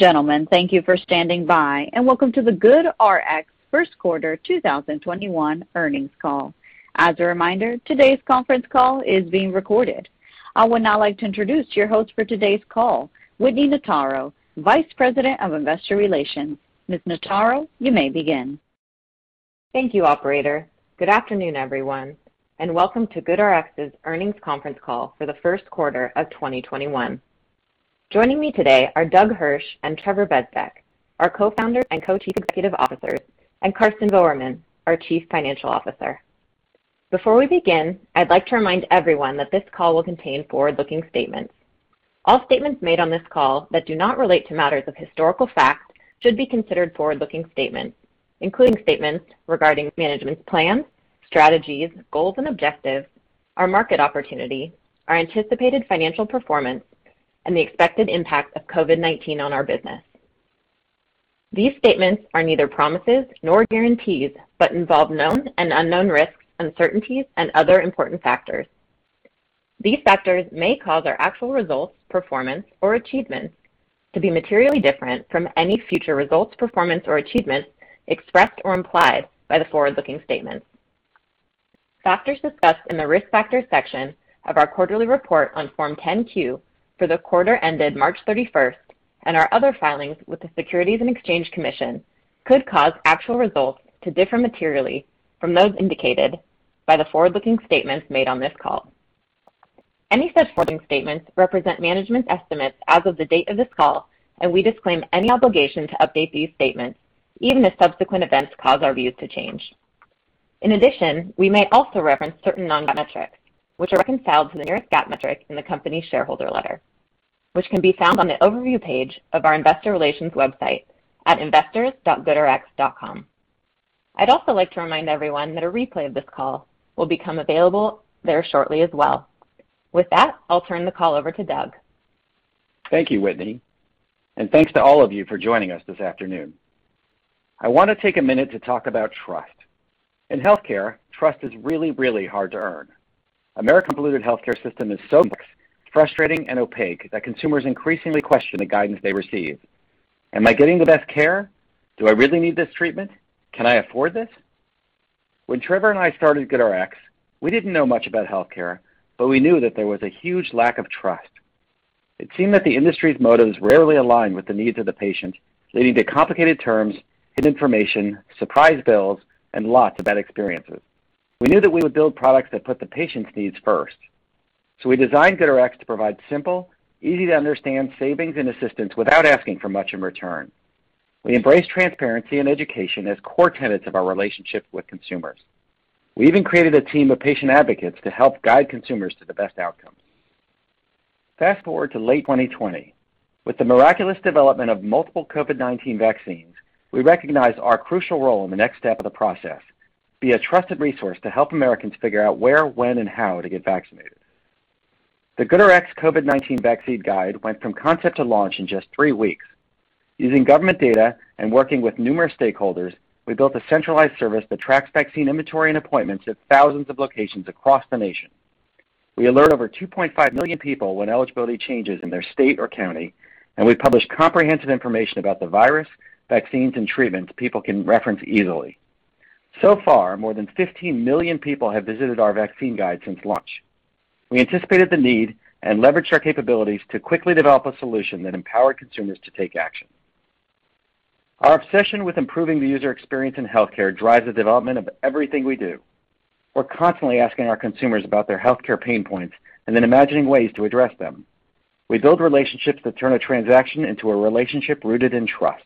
Gentlemen, thank you for standing by, and welcome to the GoodRx first quarter 2021 earnings call. As a reminder, today's conference call is being recorded. I would now like to introduce your host for today's call, Whitney Notaro, Vice President of Investor Relations. Ms. Notaro, you may begin. Thank you, operator. Good afternoon, everyone, and welcome to GoodRx's earnings conference call for the first quarter of 2021. Joining me today are Doug Hirsch and Trevor Bezdek, our Co-Founders and Co-Chief Executive Officers, and Karsten Voermann, our Chief Financial Officer. Before we begin, I'd like to remind everyone that this call will contain forward-looking statements. All statements made on this call that do not relate to matters of historical fact should be considered forward-looking statements, including statements regarding management's plans, strategies, goals, and objectives, our market opportunity, our anticipated financial performance, and the expected impact of COVID-19 on our business. These statements are neither promises nor guarantees but involve known and unknown risks, uncertainties, and other important factors. These factors may cause our actual results, performance, or achievements to be materially different from any future results, performance, or achievements expressed or implied by the forward-looking statements. Factors discussed in the Risk Factors section of our quarterly report on Form 10-Q for the quarter ended March 31st and our other filings with the Securities and Exchange Commission could cause actual results to differ materially from those indicated by the forward-looking statements made on this call. Any such forward-looking statements represent management estimates as of the date of this call, and we disclaim any obligation to update these statements, even if subsequent events cause our views to change. In addition, we may also reference certain non-GAAP metrics, which are reconciled to the nearest GAAP metric in the company's shareholder letter, which can be found on the overview page of our investor relations website at investors.goodrx.com. I'd also like to remind everyone that a replay of this call will become available there shortly as well. With that, I'll turn the call over to Doug. Thank you, Whitney. Thanks to all of you for joining us this afternoon. I want to take a minute to talk about trust. In healthcare, trust is really, really hard to earn. America's polluted healthcare system is so complex, frustrating, and opaque that consumers increasingly question the guidance they receive. Am I getting the best care? Do I really need this treatment? Can I afford this? When Trevor and I started GoodRx, we didn't know much about healthcare, but we knew that there was a huge lack of trust. It seemed that the industry's motives rarely aligned with the needs of the patient, leading to complicated terms, hidden information, surprise bills, and lots of bad experiences. We knew that we would build products that put the patient's needs first. We designed GoodRx to provide simple, easy-to-understand savings and assistance without asking for much in return. We embrace transparency and education as core tenets of our relationship with consumers. We even created a team of patient advocates to help guide consumers to the best outcomes. Fast-forward to late 2020. With the miraculous development of multiple COVID-19 vaccines, we recognized our crucial role in the next step of the process, be a trusted resource to help Americans figure out where, when, and how to get vaccinated. The GoodRx COVID-19 Vaccine Guide went from concept to launch in just three weeks. Using government data and working with numerous stakeholders, we built a centralized service that tracks vaccine inventory and appointments at thousands of locations across the nation. We alert over 2.5 million people when eligibility changes in their state or county, and we publish comprehensive information about the virus, vaccines, and treatments people can reference easily. Far, more than 15 million people have visited our COVID-19 Vaccine Guide since launch. We anticipated the need and leveraged our capabilities to quickly develop a solution that empowered consumers to take action. Our obsession with improving the user experience in healthcare drives the development of everything we do. We're constantly asking our consumers about their healthcare pain points and then imagining ways to address them. We build relationships that turn a transaction into a relationship rooted in trust.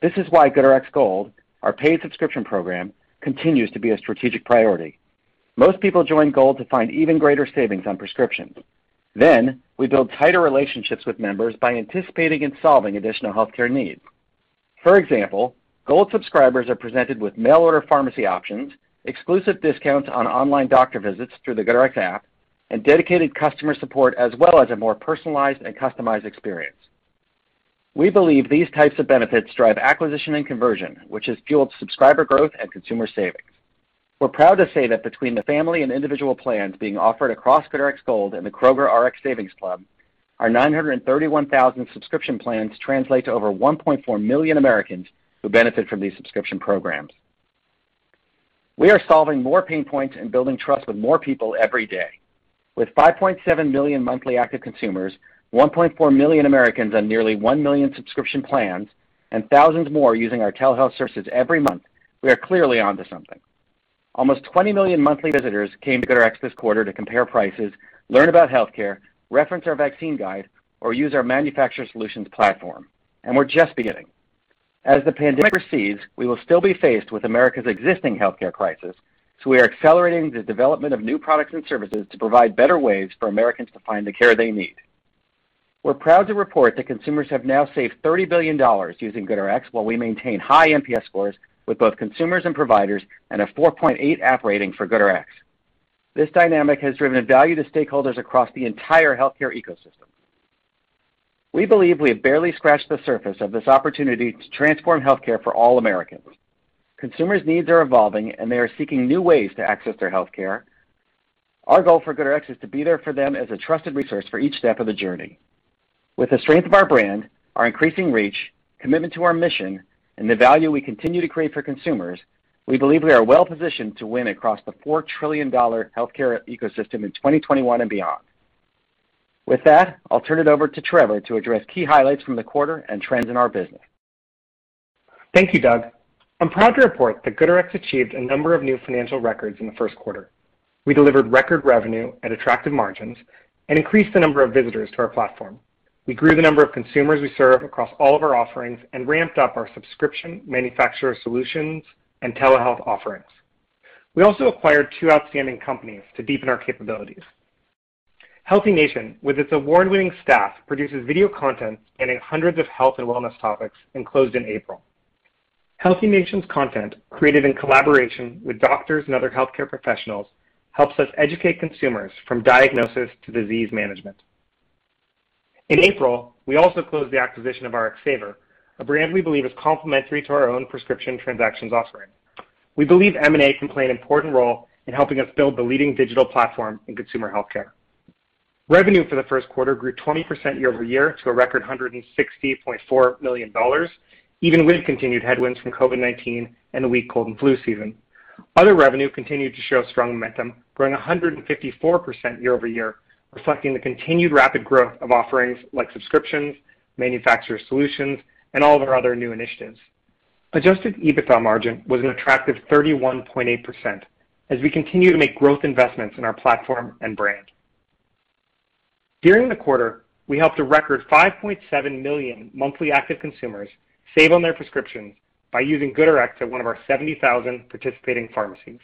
This is why GoodRx Gold, our paid subscription program, continues to be a strategic priority. Most people join Gold to find even greater savings on prescriptions. We build tighter relationships with members by anticipating and solving additional healthcare needs. For example, GoodRx Gold subscribers are presented with mail order pharmacy options, exclusive discounts on online doctor visits through the GoodRx app, and dedicated customer support as well as a more personalized and customized experience. We believe these types of benefits drive acquisition and conversion, which has fueled subscriber growth and consumer savings. We're proud to say that between the family and individual plans being offered across GoodRx Gold and the Kroger Rx Savings Club, our 931,000 subscription plans translate to over 1.4 million Americans who benefit from these subscription programs. We are solving more pain points and building trust with more people every day. With 5.7 million monthly active consumers, 1.4 million Americans on nearly 1 million subscription plans, and thousands more using our telehealth services every month, we are clearly onto something. Almost 20 million monthly visitors came to GoodRx this quarter to compare prices, learn about healthcare, reference our Vaccine Guide, or use our manufacturer solutions platform. We're just beginning. As the pandemic recedes, we will still be faced with America's existing healthcare crisis, so we are accelerating the development of new products and services to provide better ways for Americans to find the care they need. We're proud to report that consumers have now saved $30 billion using GoodRx, while we maintain high NPS scores with both consumers and providers and a 4.8 app rating for GoodRx. This dynamic has driven value to stakeholders across the entire healthcare ecosystem. We believe we have barely scratched the surface of this opportunity to transform healthcare for all Americans. Consumers' needs are evolving, and they are seeking new ways to access their healthcare Our goal for GoodRx is to be there for them as a trusted resource for each step of the journey. With the strength of our brand, our increasing reach, commitment to our mission, and the value we continue to create for consumers, we believe we are well-positioned to win across the $4 trillion healthcare ecosystem in 2021 and beyond. With that, I'll turn it over to Trevor to address key highlights from the quarter and trends in our business. Thank you, Doug. I'm proud to report that GoodRx achieved a number of new financial records in the first quarter. We delivered record revenue and attractive margins and increased the number of visitors to our platform. We grew the number of consumers we serve across all of our offerings and ramped up our subscription, manufacturer solutions, and telehealth offerings. We also acquired two outstanding companies to deepen our capabilities. HealthiNation, with its award-winning staff, produces video content spanning hundreds of health and wellness topics and closed in April. HealthiNation's content, created in collaboration with doctors and other healthcare professionals, helps us educate consumers from diagnosis to disease management. In April, we also closed the acquisition of RxSaver, a brand we believe is complementary to our own prescription transactions offering. We believe M&A can play an important role in helping us build the leading digital platform in consumer healthcare. Revenue for the first quarter grew 20% year-over-year to a record $160.4 million, even with continued headwinds from COVID-19 and a weak cold and flu season. Other revenue continued to show strong momentum, growing 154% year-over-year, reflecting the continued rapid growth of offerings like subscriptions, manufacturer solutions, and all of our other new initiatives. Adjusted EBITDA margin was an attractive 31.8% as we continue to make growth investments in our platform and brand. During the quarter, we helped a record 5.7 million monthly active consumers save on their prescriptions by using GoodRx at one of our 70,000 participating pharmacies.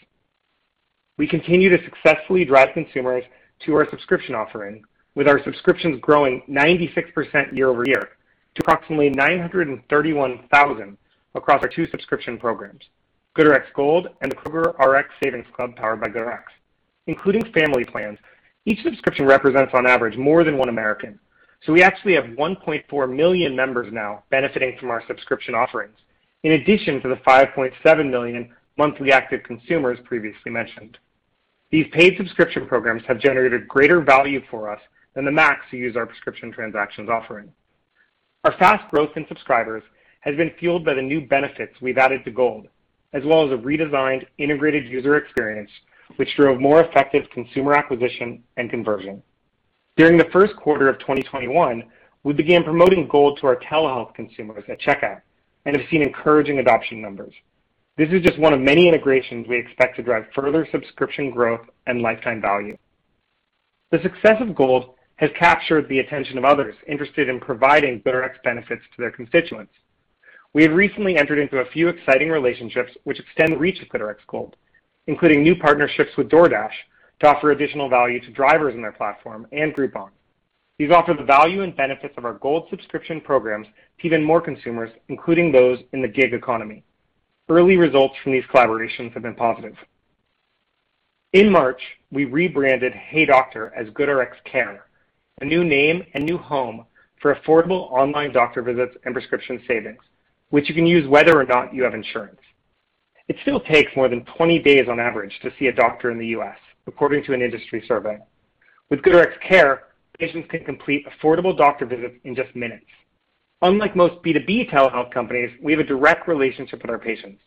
We continue to successfully drive consumers to our subscription offering, with our subscriptions growing 96% year-over-year to approximately 931,000 across our two subscription programs, GoodRx Gold and Kroger Rx Savings Club powered by GoodRx. Including family plans, each subscription represents on average more than one American. We actually have 1.4 million members now benefiting from our subscription offerings, in addition to the 5.7 million monthly active consumers previously mentioned. These paid subscription programs have generated greater value for us than the MACs who use our prescription transactions offering. Our fast growth in subscribers has been fueled by the new benefits we've added to Gold, as well as a redesigned integrated user experience which drove more effective consumer acquisition and conversion. During the first quarter of 2021, we began promoting Gold to our telehealth consumers at checkout and have seen encouraging adoption numbers. This is just one of many integrations we expect to drive further subscription growth and lifetime value. The success of Gold has captured the attention of others interested in providing GoodRx benefits to their constituents. We have recently entered into a few exciting relationships which extend the reach of GoodRx Gold, including new partnerships with DoorDash to offer additional value to drivers on their platform, and Groupon. These offer the value and benefits of our Gold subscription programs to even more consumers, including those in the gig economy. Early results from these collaborations have been positive. In March, we rebranded HeyDoctor as GoodRx Care, a new name and new home for affordable online doctor visits and prescription savings, which you can use whether or not you have insurance. It still takes more than 20 days on average to see a doctor in the U.S., according to an industry survey. With GoodRx Care, patients can complete affordable doctor visits in just minutes. Unlike most B2B telehealth companies, we have a direct relationship with our patients.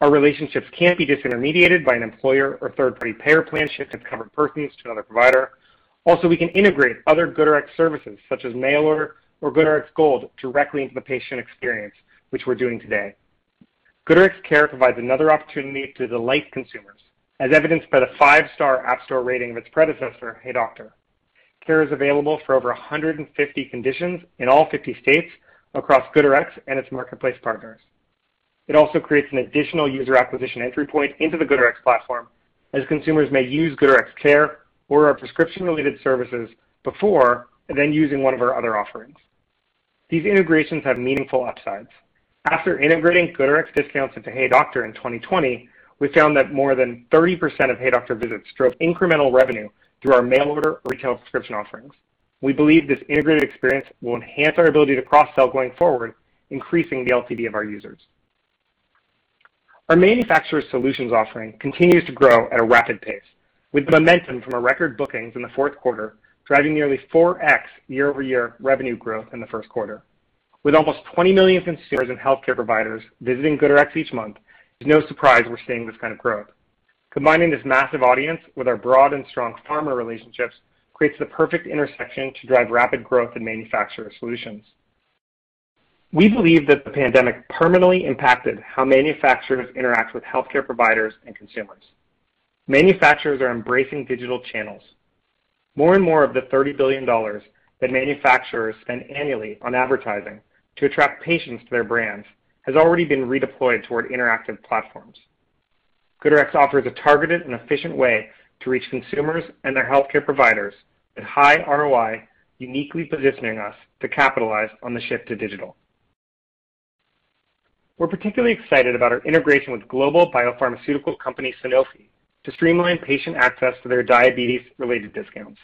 Our relationships can't be disintermediated by an employer or third-party payer plan shift to covered persons to another provider. We can integrate other GoodRx services such as mail order or GoodRx Gold directly into the patient experience, which we're doing today. GoodRx Care provides another opportunity to delight consumers, as evidenced by the five-star App Store rating of its predecessor, HeyDoctor. Care is available for over 150 conditions in all 50 states across GoodRx and its marketplace partners. It also creates an additional user acquisition entry point into the GoodRx platform, as consumers may use GoodRx Care or our prescription-related services before and then using one of our other offerings. These integrations have meaningful upsides. After integrating GoodRx discounts into HeyDoctor in 2020, we found that more than 30% of HeyDoctor visits drove incremental revenue through our mail order or retail subscription offerings. We believe this integrated experience will enhance our ability to cross-sell going forward, increasing the LTV of our users. Our manufacturer solutions offering continues to grow at a rapid pace, with momentum from our record bookings in the fourth quarter, driving nearly 4X year-over-year revenue growth in the first quarter. With almost 20 million consumers and healthcare providers visiting GoodRx each month, it's no surprise we're seeing this kind of growth. Combining this massive audience with our broad and strong pharma relationships creates the perfect intersection to drive rapid growth in manufacturer solutions. We believe that the pandemic permanently impacted how manufacturers interact with healthcare providers and consumers. Manufacturers are embracing digital channels. More and more of the $30 billion that manufacturers spend annually on advertising to attract patients to their brands has already been redeployed toward interactive platforms. GoodRx offers a targeted and efficient way to reach consumers and their healthcare providers at high ROI, uniquely positioning us to capitalize on the shift to digital. We're particularly excited about our integration with global biopharmaceutical company Sanofi to streamline patient access to their diabetes-related discounts.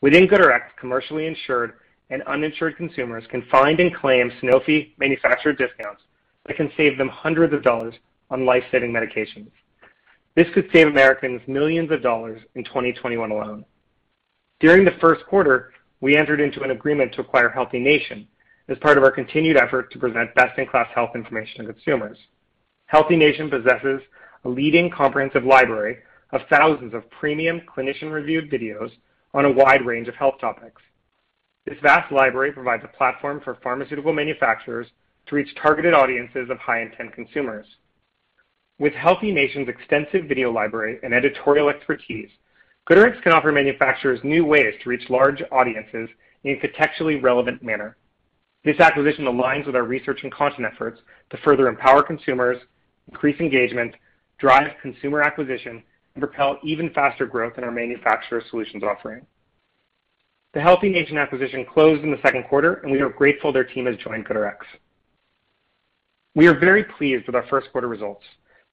Within GoodRx, commercially insured and uninsured consumers can find and claim Sanofi manufacturer discounts that can save them hundreds of dollars on life-saving medications. This could save Americans millions of dollars in 2021 alone. During the first quarter, we entered into an agreement to acquire HealthiNation as part of our continued effort to present best-in-class health information to consumers. HealthiNation possesses a leading comprehensive library of thousands of premium clinician-reviewed videos on a wide range of health topics. This vast library provides a platform for pharmaceutical manufacturers to reach targeted audiences of high intent consumers. With HealthiNation's extensive video library and editorial expertise, GoodRx can offer manufacturers new ways to reach large audiences in a contextually relevant manner. This acquisition aligns with our research and content efforts to further empower consumers, increase engagement, drive consumer acquisition, and propel even faster growth in our manufacturer solutions offering. The HealthiNation acquisition closed in the second quarter, and we are grateful their team has joined GoodRx. We are very pleased with our first quarter results,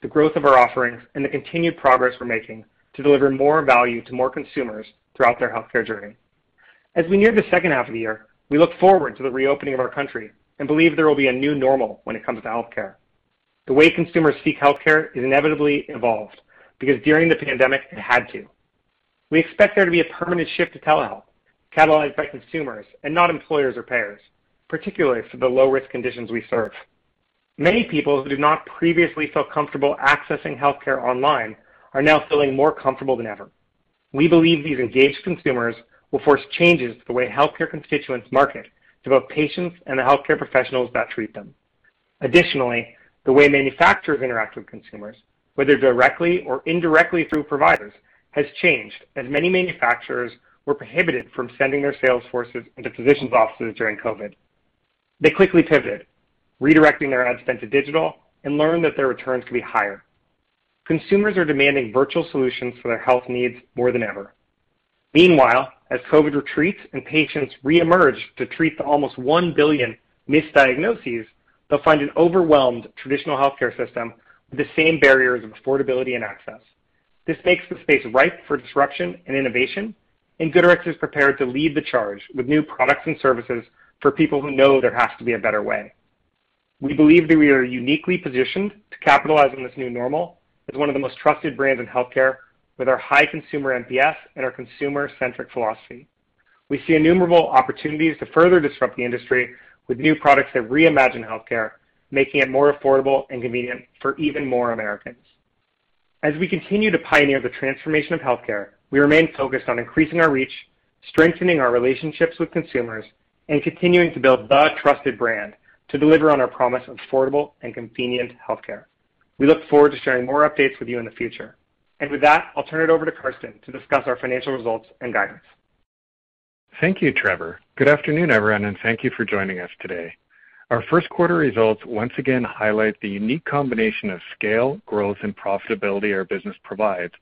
the growth of our offerings, and the continued progress we're making to deliver more value to more consumers throughout their healthcare journey. As we near the second half of the year, we look forward to the reopening of our country and believe there will be a new normal when it comes to healthcare. The way consumers seek healthcare is inevitably evolved, because during the pandemic, it had to. We expect there to be a permanent shift to telehealth, catalyzed by consumers and not employers or payers, particularly for the low-risk conditions we serve. Many people who did not previously feel comfortable accessing healthcare online are now feeling more comfortable than ever. We believe these engaged consumers will force changes to the way healthcare constituents market to both patients and the healthcare professionals that treat them. Additionally, the way manufacturers interact with consumers, whether directly or indirectly through providers, has changed, as many manufacturers were prohibited from sending their sales forces into physicians' offices during COVID. They quickly pivoted, redirecting their ad spend to digital, and learned that their returns could be higher. Consumers are demanding virtual solutions for their health needs more than ever. Meanwhile, as COVID retreats and patients reemerge to treat the almost 1 billion misdiagnosis, they'll find an overwhelmed traditional healthcare system with the same barriers of affordability and access. This makes the space ripe for disruption and innovation, and GoodRx is prepared to lead the charge with new products and services for people who know there has to be a better way. We believe that we are uniquely positioned to capitalize on this new normal as one of the most trusted brands in healthcare with our high consumer NPS and our consumer-centric philosophy. We see innumerable opportunities to further disrupt the industry with new products that reimagine healthcare, making it more affordable and convenient for even more Americans. As we continue to pioneer the transformation of healthcare, we remain focused on increasing our reach, strengthening our relationships with consumers, and continuing to build the trusted brand to deliver on our promise of affordable and convenient healthcare. We look forward to sharing more updates with you in the future. With that, I'll turn it over to Karsten to discuss our financial results and guidance. Thank you, Trevor. Good afternoon, everyone, and thank you for joining us today. Our first quarter results once again highlight the unique combination of scale, growth, and profitability our business provides,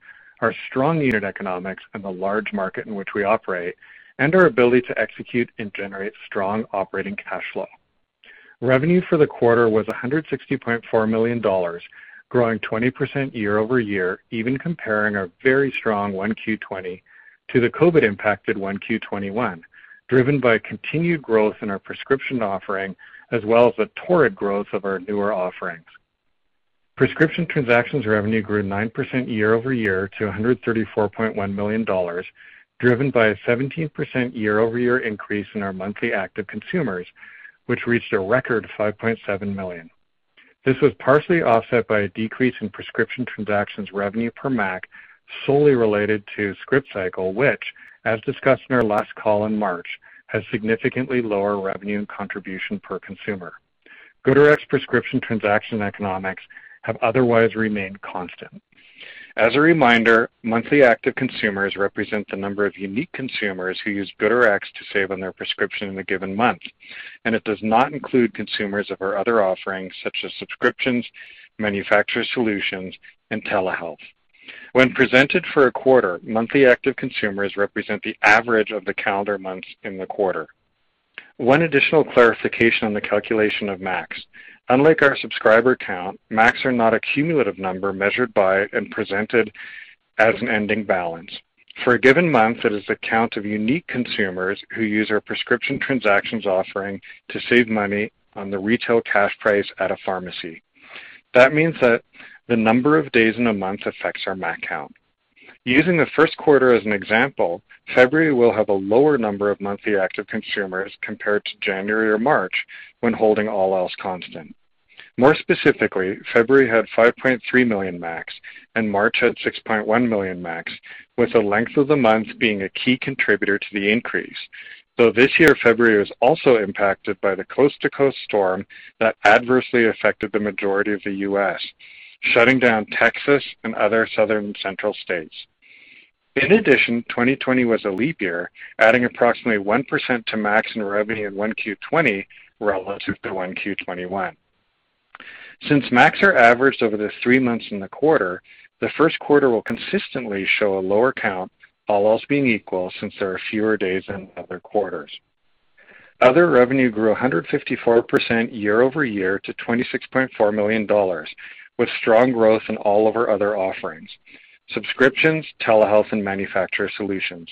our strong unit economics and the large market in which we operate, and our ability to execute and generate strong operating cash flow. Revenue for the quarter was $160.4 million, growing 20% year-over-year, even comparing our very strong 1Q20 to the COVID-impacted 1Q21, driven by continued growth in our prescription offering, as well as the torrid growth of our newer offerings. Prescription transactions revenue grew 9% year-over-year to $134.1 million, driven by a 17% year-over-year increase in our monthly active consumers, which reached a record 5.7 million. This was partially offset by a decrease in prescription transactions revenue per MAC, solely related to Scriptcycle, which, as discussed in our last call in March, has significantly lower revenue and contribution per consumer. GoodRx prescription transaction economics have otherwise remained constant. As a reminder, monthly active consumers represent the number of unique consumers who use GoodRx to save on their prescription in a given month, and it does not include consumers of our other offerings, such as subscriptions, manufacturer solutions, and telehealth. When presented for a quarter, monthly active consumers represent the average of the calendar months in the quarter. One additional clarification on the calculation of MACs. Unlike our subscriber count, MACs are not a cumulative number measured by and presented as an ending balance. For a given month, it is a count of unique consumers who use our prescription transactions offering to save money on the retail cash price at a pharmacy. That means that the number of days in a month affects our MAC count. Using the first quarter as an example, February will have a lower number of monthly active consumers compared to January or March when holding all else constant. More specifically, February had 5.3 million MACs and March had 6.1 million MACs, with the length of the month being a key contributor to the increase, though this year, February was also impacted by the coast-to-coast storm that adversely affected the majority of the U.S., shutting down Texas and other Southern Central states. In addition, 2020 was a leap year, adding approximately 1% to MACs and revenue in 1Q20 relative to 1Q21. Since MACs are averaged over the three months in the quarter, the first quarter will consistently show a lower count, all else being equal, since there are fewer days than other quarters. Other revenue grew 154% year-over-year to $26.4 million, with strong growth in all of our other offerings: subscriptions, telehealth, and manufacturer solutions.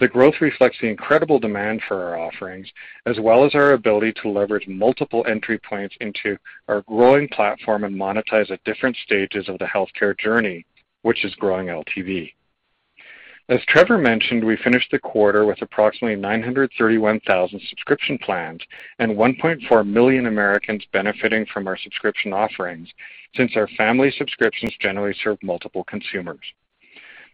The growth reflects the incredible demand for our offerings, as well as our ability to leverage multiple entry points into our growing platform and monetize at different stages of the healthcare journey, which is growing LTV. As Trevor mentioned, we finished the quarter with approximately 931,000 subscription plans and 1.4 million Americans benefiting from our subscription offerings, since our family subscriptions generally serve multiple consumers.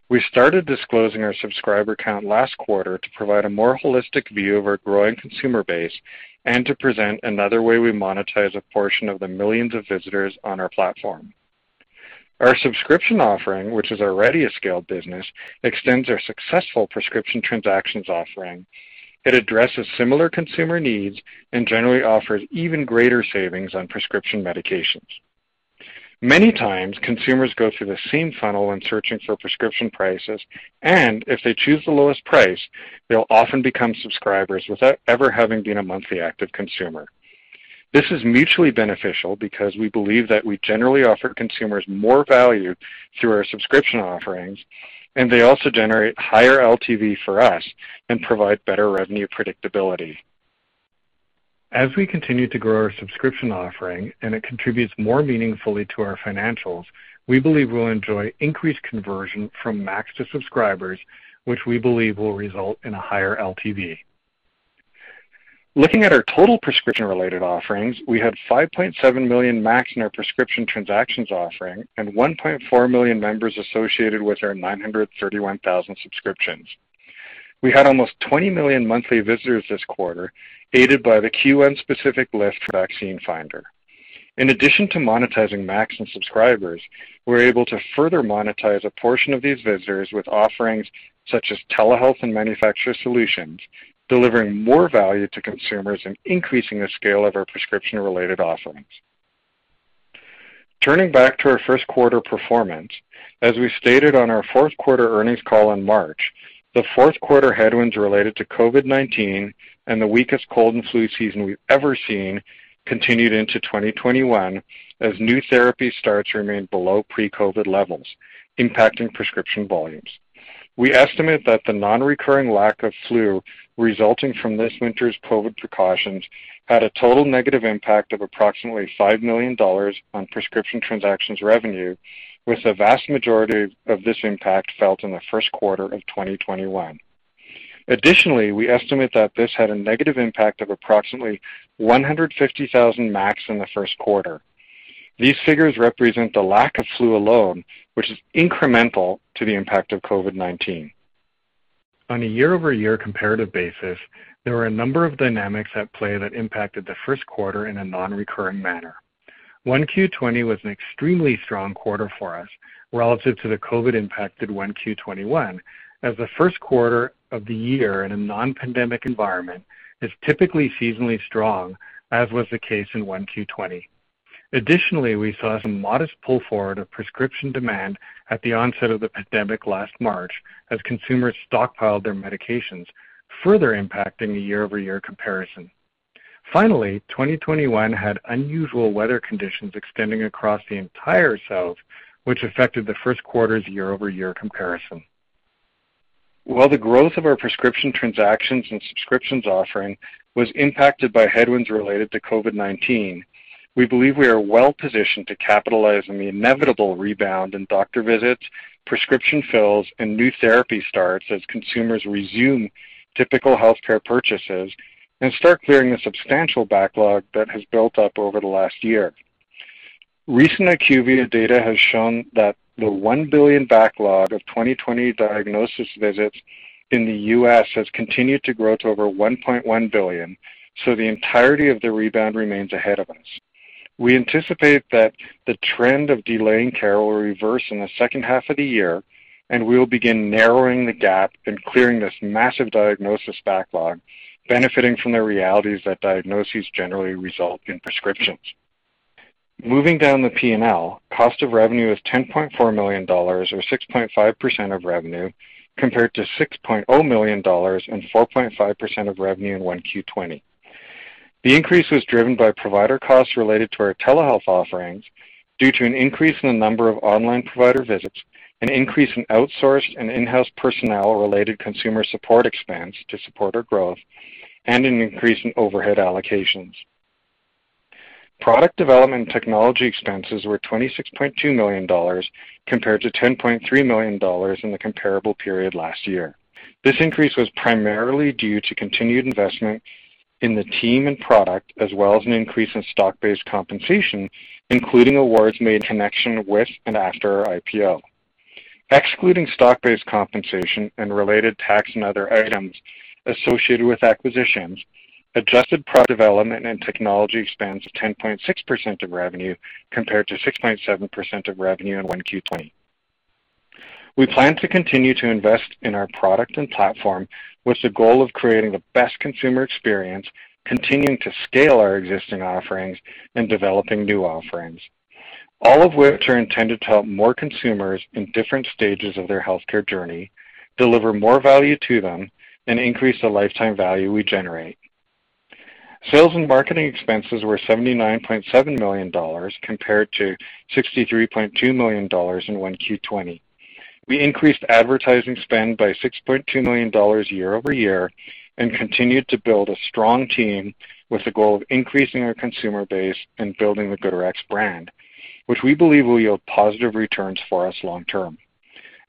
We started disclosing our subscriber count last quarter to provide a more holistic view of our growing consumer base and to present another way we monetize a portion of the millions of visitors on our platform. Our subscription offering, which is already a scaled business, extends our successful prescription transactions offering. It addresses similar consumer needs and generally offers even greater savings on prescription medications. Many times, consumers go through the same funnel when searching for prescription prices, and if they choose the lowest price, they'll often become subscribers without ever having been a Monthly Active Consumer. This is mutually beneficial because we believe that we generally offer consumers more value through our subscription offerings, and they also generate higher LTV for us and provide better revenue predictability. As we continue to grow our subscription offering and it contributes more meaningfully to our financials, we believe we'll enjoy increased conversion from MACs to subscribers, which we believe will result in a higher LTV. Looking at our total prescription-related offerings, we had 5.7 million MACs in our prescription transactions offering and 1.4 million members associated with our 931,000 subscriptions. We had almost 20 million monthly visitors this quarter, aided by the Q1 specific lift for COVID-19 Vaccine Guide. In addition to monetizing MACs and subscribers, we're able to further monetize a portion of these visitors with offerings such as telehealth and manufacturer solutions, delivering more value to consumers and increasing the scale of our prescription-related offerings. Turning back to our first quarter performance, as we stated on our fourth quarter earnings call in March, the fourth quarter headwinds related to COVID-19 and the weakest cold and flu season we've ever seen continued into 2021, as new therapy starts remained below pre-COVID levels, impacting prescription volumes. We estimate that the non-recurring lack of flu resulting from this winter's COVID precautions had a total negative impact of approximately $5 million on prescription transactions revenue, with the vast majority of this impact felt in the first quarter of 2021. Additionally, we estimate that this had a negative impact of approximately 150,000 MACs in the first quarter. These figures represent the lack of flu alone, which is incremental to the impact of COVID-19. On a year-over-year comparative basis, there were a number of dynamics at play that impacted the first quarter in a non-recurring manner. 1Q20 was an extremely strong quarter for us relative to the COVID-19 impacted 1Q21, as the first quarter of the year in a non-pandemic environment is typically seasonally strong, as was the case in 1Q20. Additionally, we saw some modest pull forward of prescription demand at the onset of the pandemic last March as consumers stockpiled their medications, further impacting the year-over-year comparison. Finally, 2021 had unusual weather conditions extending across the entire South, which affected the first quarter's year-over-year comparison. While the growth of our prescription transactions and subscriptions offering was impacted by headwinds related to COVID-19, we believe we are well-positioned to capitalize on the inevitable rebound in doctor visits, prescription fills, and new therapy starts as consumers resume typical healthcare purchases and start clearing the substantial backlog that has built up over the last year. Recent IQVIA data has shown that the 1 billion backlog of 2020 diagnosis visits in the U.S. has continued to grow to over 1.1 billion, so the entirety of the rebound remains ahead of us. We anticipate that the trend of delaying care will reverse in the second half of the year, and we will begin narrowing the gap and clearing this massive diagnosis backlog, benefiting from the realities that diagnoses generally result in prescriptions. Moving down the P&L, cost of revenue is $10.4 million or 6.5% of revenue, compared to $6.0 million and 4.5% of revenue in 1Q20. The increase was driven by provider costs related to our telehealth offerings due to an increase in the number of online provider visits, an increase in outsourced and in-house personnel related consumer support expense to support our growth, and an increase in overhead allocations. Product development technology expenses were $26.2 million compared to $10.3 million in the comparable period last year. This increase was primarily due to continued investment in the team and product, as well as an increase in stock-based compensation, including awards made in connection with and after our IPO. Excluding stock-based compensation and related tax and other items associated with acquisitions, adjusted product development and technology expense of 10.6% of revenue, compared to 6.7% of revenue in 1Q20. We plan to continue to invest in our product and platform with the goal of creating the best consumer experience, continuing to scale our existing offerings, and developing new offerings. All of which are intended to help more consumers in different stages of their healthcare journey, deliver more value to them, and increase the lifetime value we generate. Sales and marketing expenses were $79.7 million compared to $63.2 million in 1Q '20. We increased advertising spend by $6.2 million year-over-year and continued to build a strong team with the goal of increasing our consumer base and building the GoodRx brand, which we believe will yield positive returns for us long term.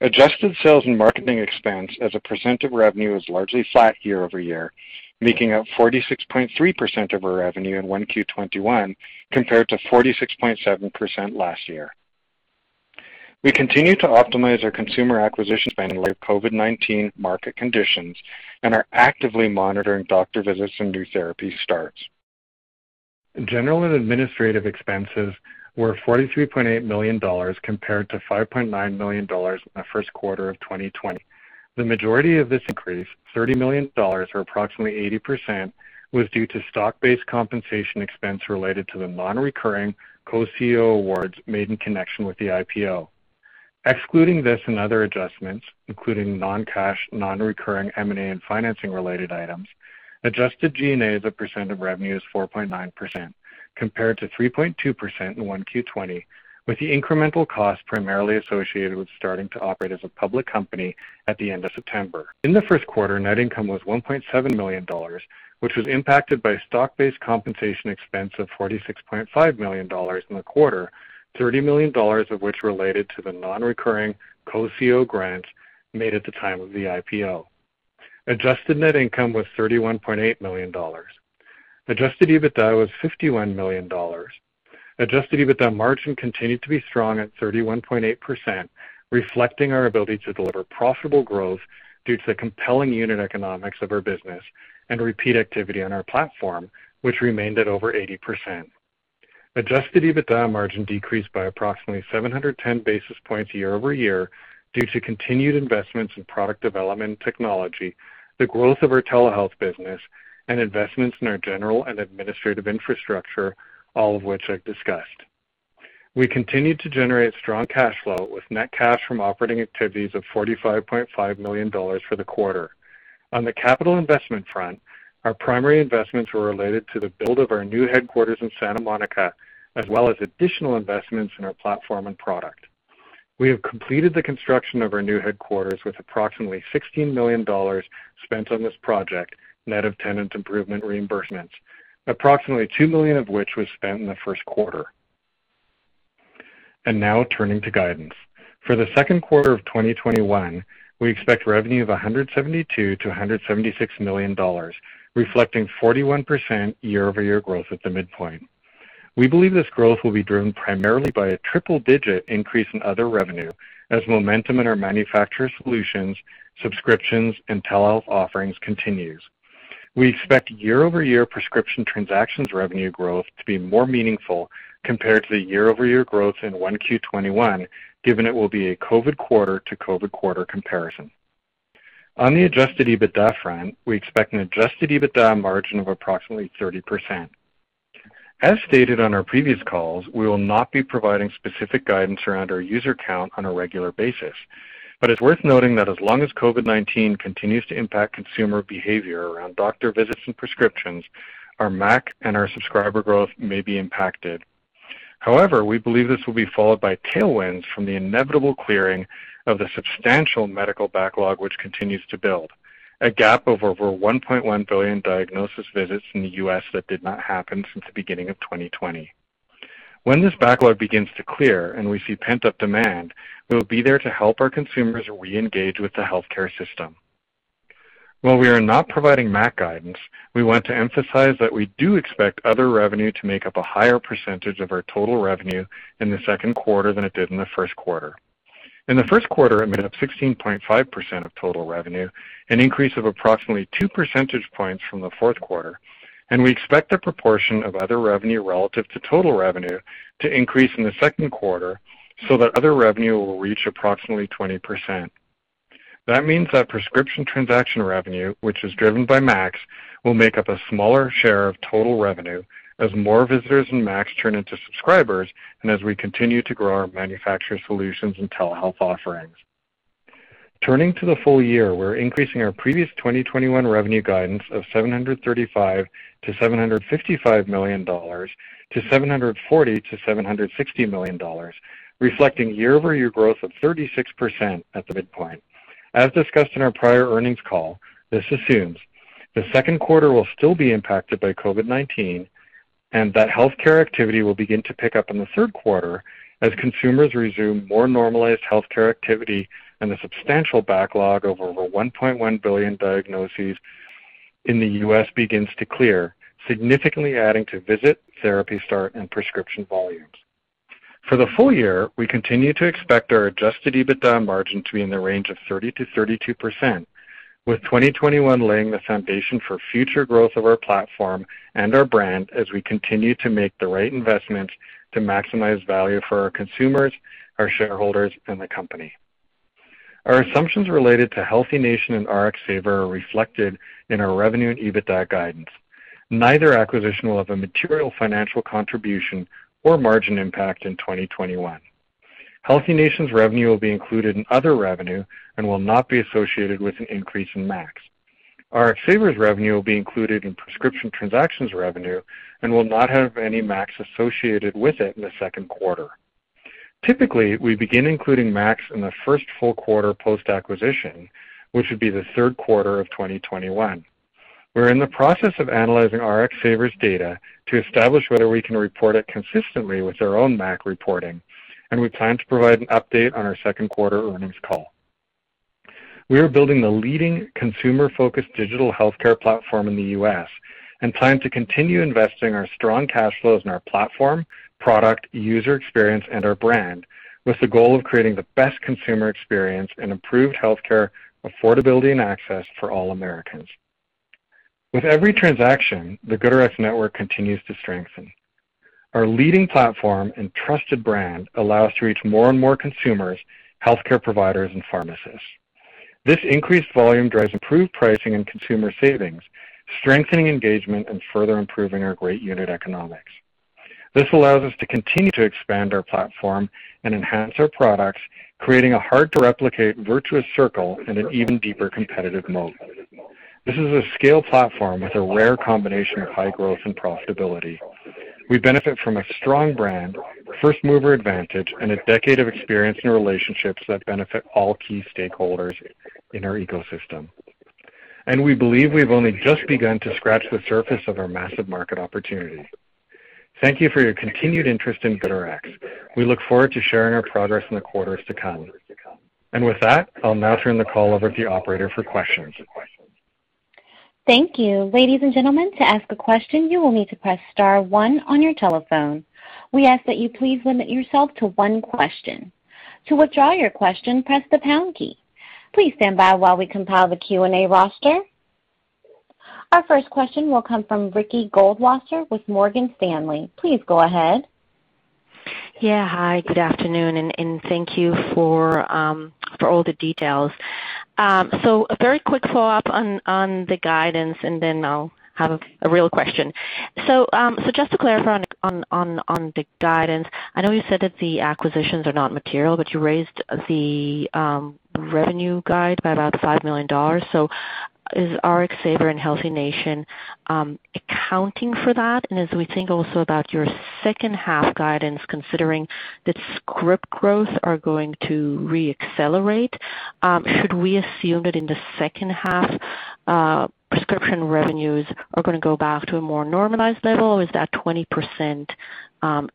Adjusted sales and marketing expense as a % of revenue is largely flat year-over-year, making up 46.3% of our revenue in Q1 2021 compared to 46.7% last year. We continue to optimize our consumer acquisition spending with COVID-19 market conditions and are actively monitoring doctor visits and new therapy starts. General and administrative expenses were $43.8 million compared to $5.9 million in the first quarter of 2020. The majority of this increase, $30 million, or approximately 80%, was due to stock-based compensation expense related to the non-recurring co-CEO awards made in connection with the IPO. Excluding this and other adjustments, including non-cash, non-recurring M&A and financing-related items, adjusted G&A as a percent of revenue is 4.9% compared to 3.2% in 1Q '20, with the incremental cost primarily associated with starting to operate as a public company at the end of September. In the first quarter, net income was $1.7 million, which was impacted by stock-based compensation expense of $46.5 million in the quarter, $30 million of which related to the non-recurring co-CEO grants made at the time of the IPO. Adjusted net income was $31.8 million. Adjusted EBITDA was $51 million. Adjusted EBITDA margin continued to be strong at 31.8%, reflecting our ability to deliver profitable growth due to the compelling unit economics of our business and repeat activity on our platform, which remained at over 80%. Adjusted EBITDA margin decreased by approximately 710 basis points year-over-year due to continued investments in product development technology, the growth of our telehealth business, and investments in our general and administrative infrastructure, all of which I've discussed. We continued to generate strong cash flow with net cash from operating activities of $45.5 million for the quarter. On the capital investment front, our primary investments were related to the build of our new headquarters in Santa Monica, as well as additional investments in our platform and product. We have completed the construction of our new headquarters with approximately $16 million spent on this project, net of tenant improvement reimbursements. Approximately 2 million of which was spent in the first quarter. Now turning to guidance. For the second quarter of 2021, we expect revenue of $172 million-$176 million, reflecting 41% year-over-year growth at the midpoint. We believe this growth will be driven primarily by a triple-digit increase in other revenue as momentum in our manufacturer solutions, subscriptions, and telehealth offerings continues. We expect year-over-year prescription transactions revenue growth to be more meaningful compared to the year-over-year growth in Q1 2021, given it will be a COVID quarter to COVID quarter comparison. On the Adjusted EBITDA front, we expect an Adjusted EBITDA margin of approximately 30%. As stated on our previous calls, we will not be providing specific guidance around our user count on a regular basis. It's worth noting that as long as COVID-19 continues to impact consumer behavior around doctor visits and prescriptions, our MAC and our subscriber growth may be impacted. However, we believe this will be followed by tailwinds from the inevitable clearing of the substantial medical backlog, which continues to build. A gap of over 1.1 billion diagnosis visits in the U.S. that did not happen since the beginning of 2020. When this backlog begins to clear and we see pent-up demand, we will be there to help our consumers re-engage with the healthcare system. While we are not providing MAC guidance, we want to emphasize that we do expect other revenue to make up a higher percentage of our total revenue in the second quarter than it did in the first quarter. In the first quarter, it made up 16.5% of total revenue, an increase of approximately two percentage points from the fourth quarter. We expect the proportion of other revenue relative to total revenue to increase in the second quarter so that other revenue will reach approximately 20%. That means that prescription transaction revenue, which is driven by MACs, will make up a smaller share of total revenue as more visitors and MACs turn into subscribers and as we continue to grow our manufacturer solutions and telehealth offerings. Turning to the full year, we're increasing our previous 2021 revenue guidance of $735 million-$755 million to $740 million-$760 million, reflecting year-over-year growth of 36% at the midpoint. As discussed in our prior earnings call, this assumes the second quarter will still be impacted by COVID-19 and that healthcare activity will begin to pick up in the third quarter as consumers resume more normalized healthcare activity and the substantial backlog of over 1.1 billion diagnoses in the U.S. begins to clear, significantly adding to visit, therapy start, and prescription volumes. For the full year, we continue to expect our Adjusted EBITDA margin to be in the range of 30%-32%, with 2021 laying the foundation for future growth of our platform and our brand as we continue to make the right investments to maximize value for our consumers, our shareholders, and the company. Our assumptions related to HealthiNation and RxSaver are reflected in our revenue and EBITDA guidance. Neither acquisition will have a material financial contribution or margin impact in 2021. HealthiNation's revenue will be included in other revenue and will not be associated with an increase in MACs. RxSaver's revenue will be included in prescription transactions revenue and will not have any MACs associated with it in the second quarter. Typically, we begin including MACs in the first full quarter post-acquisition, which would be the third quarter of 2021. We're in the process of analyzing RxSaver's data to establish whether we can report it consistently with our own MACs reporting, and we plan to provide an update on our second quarter earnings call. We are building the leading consumer-focused digital healthcare platform in the U.S. and plan to continue investing our strong cash flows in our platform, product, user experience, and our brand, with the goal of creating the best consumer experience and improved healthcare affordability and access for all Americans. With every transaction, the GoodRx network continues to strengthen. Our leading platform and trusted brand allow us to reach more and more consumers, healthcare providers, and pharmacists. This increased volume drives improved pricing and consumer savings, strengthening engagement, and further improving our great unit economics. This allows us to continue to expand our platform and enhance our products, creating a hard-to-replicate virtuous circle and an even deeper competitive moat. This is a scale platform with a rare combination of high growth and profitability. We benefit from a strong brand, first-mover advantage, and a decade of experience in relationships that benefit all key stakeholders in our ecosystem. We believe we've only just begun to scratch the surface of our massive market opportunity. Thank you for your continued interest in GoodRx. We look forward to sharing our progress in the quarters to come. With that, I'll now turn the call over to the operator for questions. Thank you. Ladies and gentlemen, to ask a question, you will need to press star one on your telephone. We ask that you please limit yourself to one question. To withdraw your question, press the pound key. Please stand by while we compile the Q&A roster. Our first question will come from Ricky Goldwasser with Morgan Stanley. Yeah. Hi, good afternoon. Thank you for all the details. A very quick follow-up on the guidance. I'll have a real question. Just to clarify on the guidance, I know you said that the acquisitions are not material, but you raised the revenue guide by about $5 million. Is RxSaver and HealthiNation accounting for that? As we think also about your second half guidance, considering that script growth are going to re-accelerate, should we assume that in the second half, prescription revenues are going to go back to a more normalized level? Is that 20%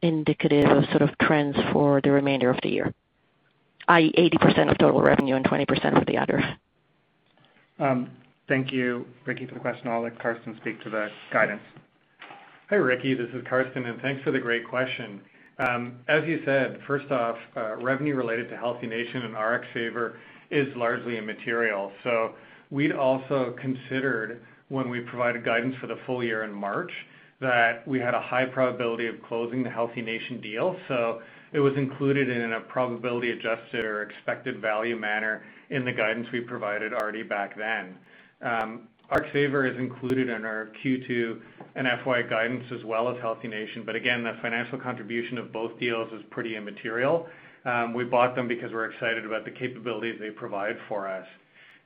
indicative of trends for the remainder of the year, i.e., 80% of total revenue and 20% for the others? Thank you, Ricky, for the question. I'll let Karsten speak to the guidance. Hi, Ricky. This is Karsten. Thanks for the great question. As you said, first off, revenue related to HealthiNation and RxSaver is largely immaterial. We'd also considered when we provided guidance for the full year in March that we had a high probability of closing the HealthiNation deal. It was included in a probability adjusted or expected value manner in the guidance we provided already back then. RxSaver is included in our Q2 and FY guidance as well as HealthiNation. Again, the financial contribution of both deals is pretty immaterial. We bought them because we're excited about the capabilities they provide for us.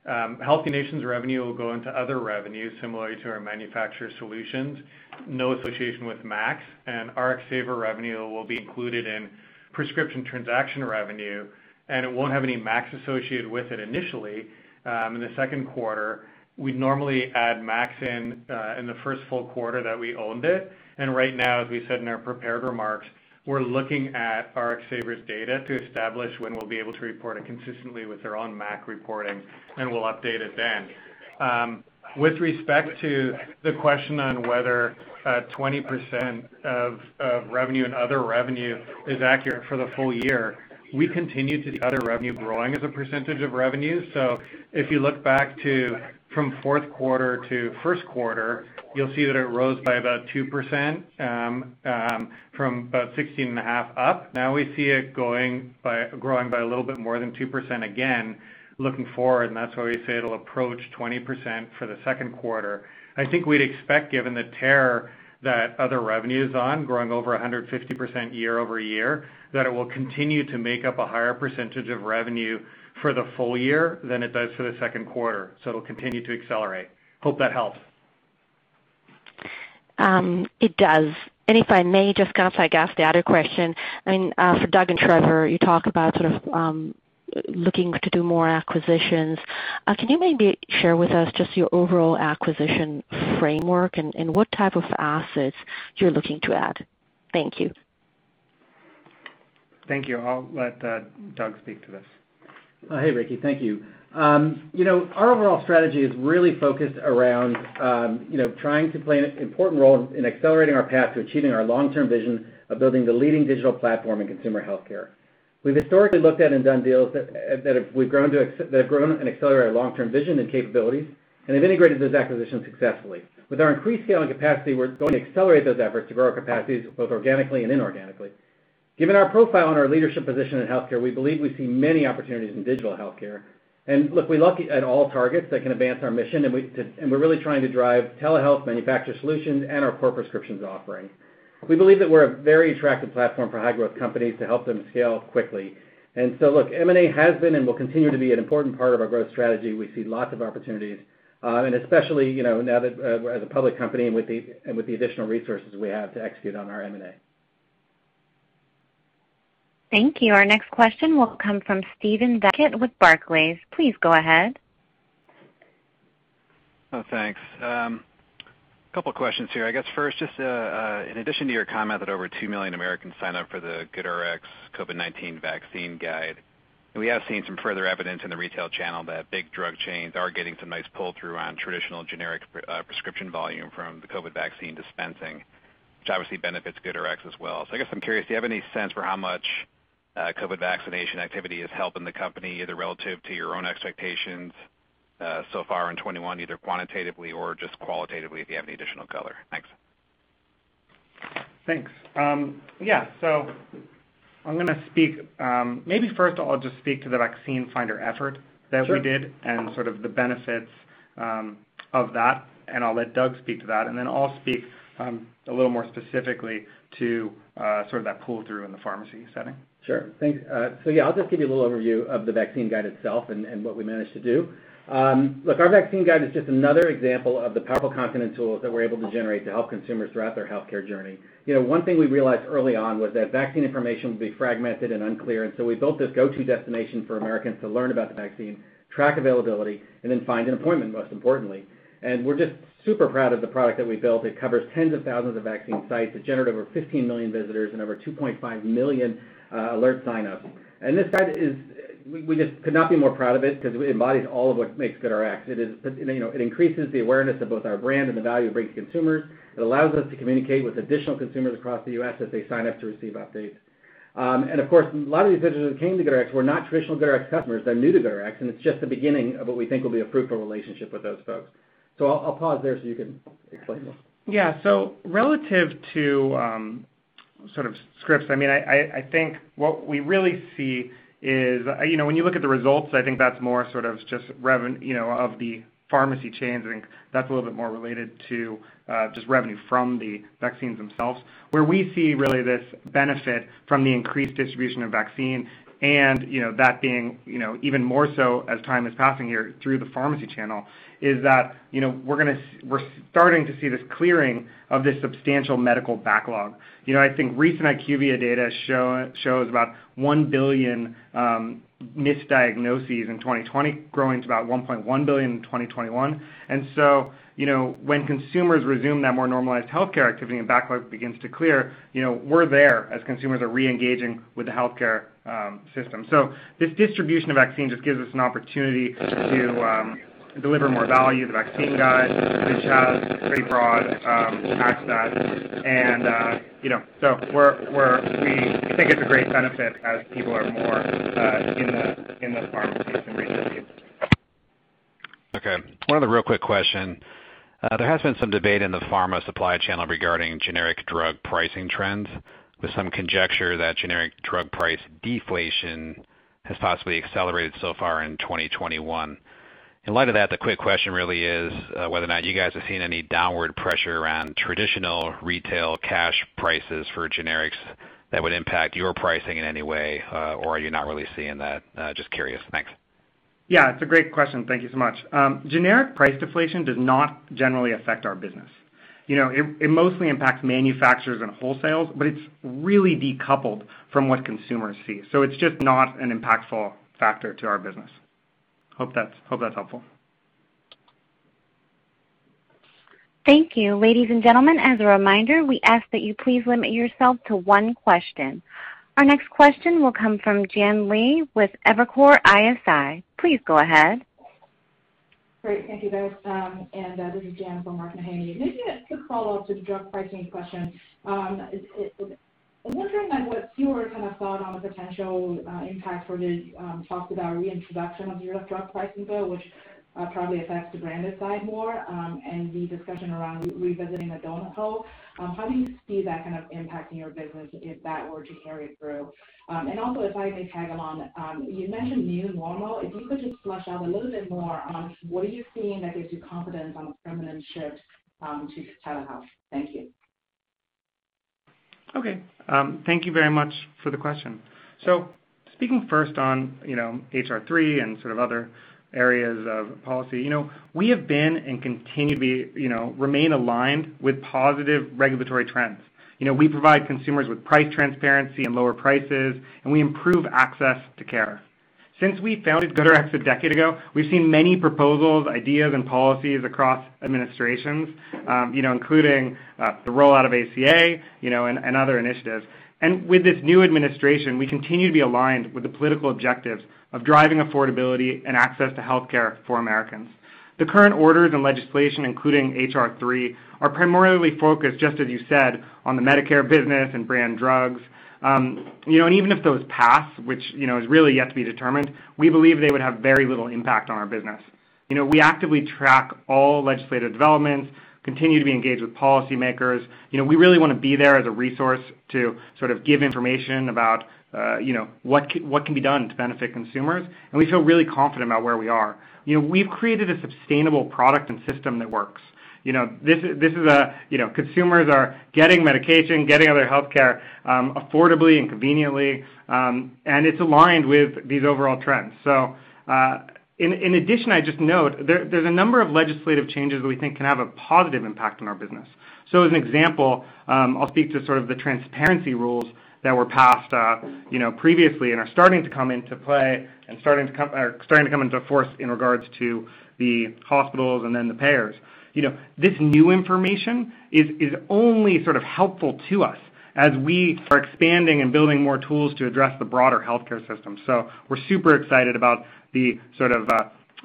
HealthiNation's revenue will go into other revenue similar to our manufacturer solutions, no association with MACs, and RxSaver revenue will be included in prescription transaction revenue, and it won't have any MACs associated with it initially in the second quarter. We'd normally add MACs in the first full quarter that we owned it. Right now, as we said in our prepared remarks, we're looking at RxSaver's data to establish when we'll be able to report it consistently with their own MACs reporting, and we'll update it then. With respect to the question on whether 20% of revenue and other revenue is accurate for the full year, we continue to see other revenue growing as a % of revenue. If you look back to from fourth quarter to first quarter, you'll see that it rose by about 2% from 16.5% up. We see it growing by a little bit more than 2% again looking forward, and that's why we say it'll approach 20% for the second quarter. I think we'd expect, given the tear that other revenue is on, growing over 150% year-over-year, that it will continue to make up a higher percentage of revenue for the full year than it does for the second quarter. It'll continue to accelerate. Hope that helps. It does. If I may just, Karsten, I guess the other question, for Doug and Trevor, you talk about looking to do more acquisitions. Can you maybe share with us just your overall acquisition framework and what type of assets you're looking to add? Thank you. Thank you. I'll let Doug speak to this. Hey, Ricky. Thank you. Our overall strategy is really focused around trying to play an important role in accelerating our path to achieving our long-term vision of building the leading digital platform in consumer healthcare. We've historically looked at and done deals that have grown and accelerated our long-term vision and capabilities, and have integrated those acquisitions successfully. With our increased scaling capacity, we're going to accelerate those efforts to grow our capacities both organically and inorganically. Given our profile and our leadership position in healthcare, we believe we see many opportunities in digital healthcare. Look, we look at all targets that can advance our mission, and we're really trying to drive telehealth manufacturer solutions and our core prescriptions offering. We believe that we're a very attractive platform for high-growth companies to help them scale quickly. Look, M&A has been and will continue to be an important part of our growth strategy. We see lots of opportunities, and especially, now that as a public company and with the additional resources we have to execute on our M&A. Thank you. Our next question will come from Steven Valiquette with Barclays. Please go ahead. Thanks. Couple questions here. I guess first, just in addition to your comment that over 2 million Americans sign up for the GoodRx COVID-19 Vaccine Guide, we have seen some further evidence in the retail channel that big drug chains are getting some nice pull-through on traditional generic prescription volume from the COVID vaccine dispensing, which obviously benefits GoodRx as well. I guess I'm curious, do you have any sense for how much COVID vaccination activity is helping the company, either relative to your own expectations so far in 2021, either quantitatively or just qualitatively, if you have any additional color? Thanks. Thanks. Yeah. Maybe first I'll just speak to the vaccine finder effort that we did. Sure Sort of the benefits of that, and I'll let Doug speak to that, and then I'll speak a little more specifically to sort of that pull through in the pharmacy setting. Sure. Thanks. Yeah, I'll just give you a little overview of the COVID-19 Vaccine Guide itself and what we managed to do. Look, our COVID-19 Vaccine Guide is just another example of the powerful confidence tools that we're able to generate to help consumers throughout their healthcare journey. One thing we realized early on was that vaccine information would be fragmented and unclear, we built this go-to destination for Americans to learn about the vaccine, track availability, and then find an appointment, most importantly. We're just super proud of the product that we built. It covers tens of thousands of vaccine sites. It generated over 15 million visitors and over 2.5 million alert sign-ups. We just could not be more proud of it because it embodies all of what makes GoodRx. It increases the awareness of both our brand and the value it brings to consumers. It allows us to communicate with additional consumers across the U.S. as they sign up to receive updates. Of course, a lot of these visitors who came to GoodRx were not traditional GoodRx customers. They're new to GoodRx, it's just the beginning of what we think will be a fruitful relationship with those folks. I'll pause there so you can explain more. Relative to sort of scripts, I think what we really see is, when you look at the results, I think that's more sort of just revenue of the pharmacy chains. I think that's a little bit more related to just revenue from the vaccines themselves. Where we see really this benefit from the increased distribution of vaccine and, that being, even more so as time is passing here through the pharmacy channel, is that we're starting to see this clearing of this substantial medical backlog. I think recent IQVIA data shows about 1 billion misdiagnoses in 2020, growing to about 1.1 billion in 2021. When consumers resume that more normalized healthcare activity and backlog begins to clear, we're there as consumers are reengaging with the healthcare system. This distribution of vaccine just gives us an opportunity to deliver more value. The Vaccine Guide, which has pretty broad access, and so we think it's a great benefit as people are more in the pharmacies and receiving. Okay. One other real quick question. There has been some debate in the pharma supply channel regarding generic drug pricing trends with some conjecture that generic drug price deflation has possibly accelerated so far in 2021. In light of that, the quick question really is whether or not you guys have seen any downward pressure around traditional retail cash prices for generics that would impact your pricing in any way, or are you not really seeing that? Just curious. Thanks. Yeah. It's a great question. Thank you so much. Generic price deflation does not generally affect our business. It mostly impacts manufacturers and wholesalers, but it's really decoupled from what consumers see. It's just not an impactful factor to our business. Hope that's helpful. Thank you. Ladies and gentlemen, as a reminder, we ask that you please limit yourself to one question. Our next question will come from Jian Li with Evercore ISI. Please go ahead. Great. Thank you, guys. This is Jian Li from Morgan Stanley. Maybe a quick follow-up to the drug pricing question. I'm wondering, like, what's your kind of thought on the potential impact for the talks about reintroduction of the drug pricing bill, which probably affects the branded side more, and the discussion around revisiting Adonal. How do you see that kind of impacting your business if that were to carry through? Also if I may tag along, you mentioned new normal. If you could just flesh out a little bit more on what are you seeing that gives you confidence on a permanent shift to telehealth. Thank you. Okay. Thank you very much for the question. Speaking first on H.R. 3 and sort of other areas of policy. We have been and continue to be, remain aligned with positive regulatory trends. We provide consumers with price transparency and lower prices, and we improve access to care. Since we founded GoodRx a decade ago, we've seen many proposals, ideas, and policies across administrations, including the rollout of ACA, and other initiatives. With this new administration, we continue to be aligned with the political objectives of driving affordability and access to healthcare for Americans. The current orders and legislation, including H.R. 3, are primarily focused, just as you said, on the Medicare business and brand drugs. Even if those pass, which is really yet to be determined, we believe they would have very little impact on our business. We actively track all legislative developments, continue to be engaged with policymakers. We really want to be there as a resource to sort of give information about what can be done to benefit consumers. We feel really confident about where we are. We've created a sustainable product and system that works. Consumers are getting medication, getting other healthcare affordably and conveniently, and it's aligned with these overall trends. In addition, I just note, there's a number of legislative changes that we think can have a positive impact on our business. As an example, I'll speak to sort of the transparency rules that were passed previously and are starting to come into play and are starting to come into force in regards to the hospitals and then the payers. This new information is only sort of helpful to us as we are expanding and building more tools to address the broader healthcare system. We're super excited about the sort of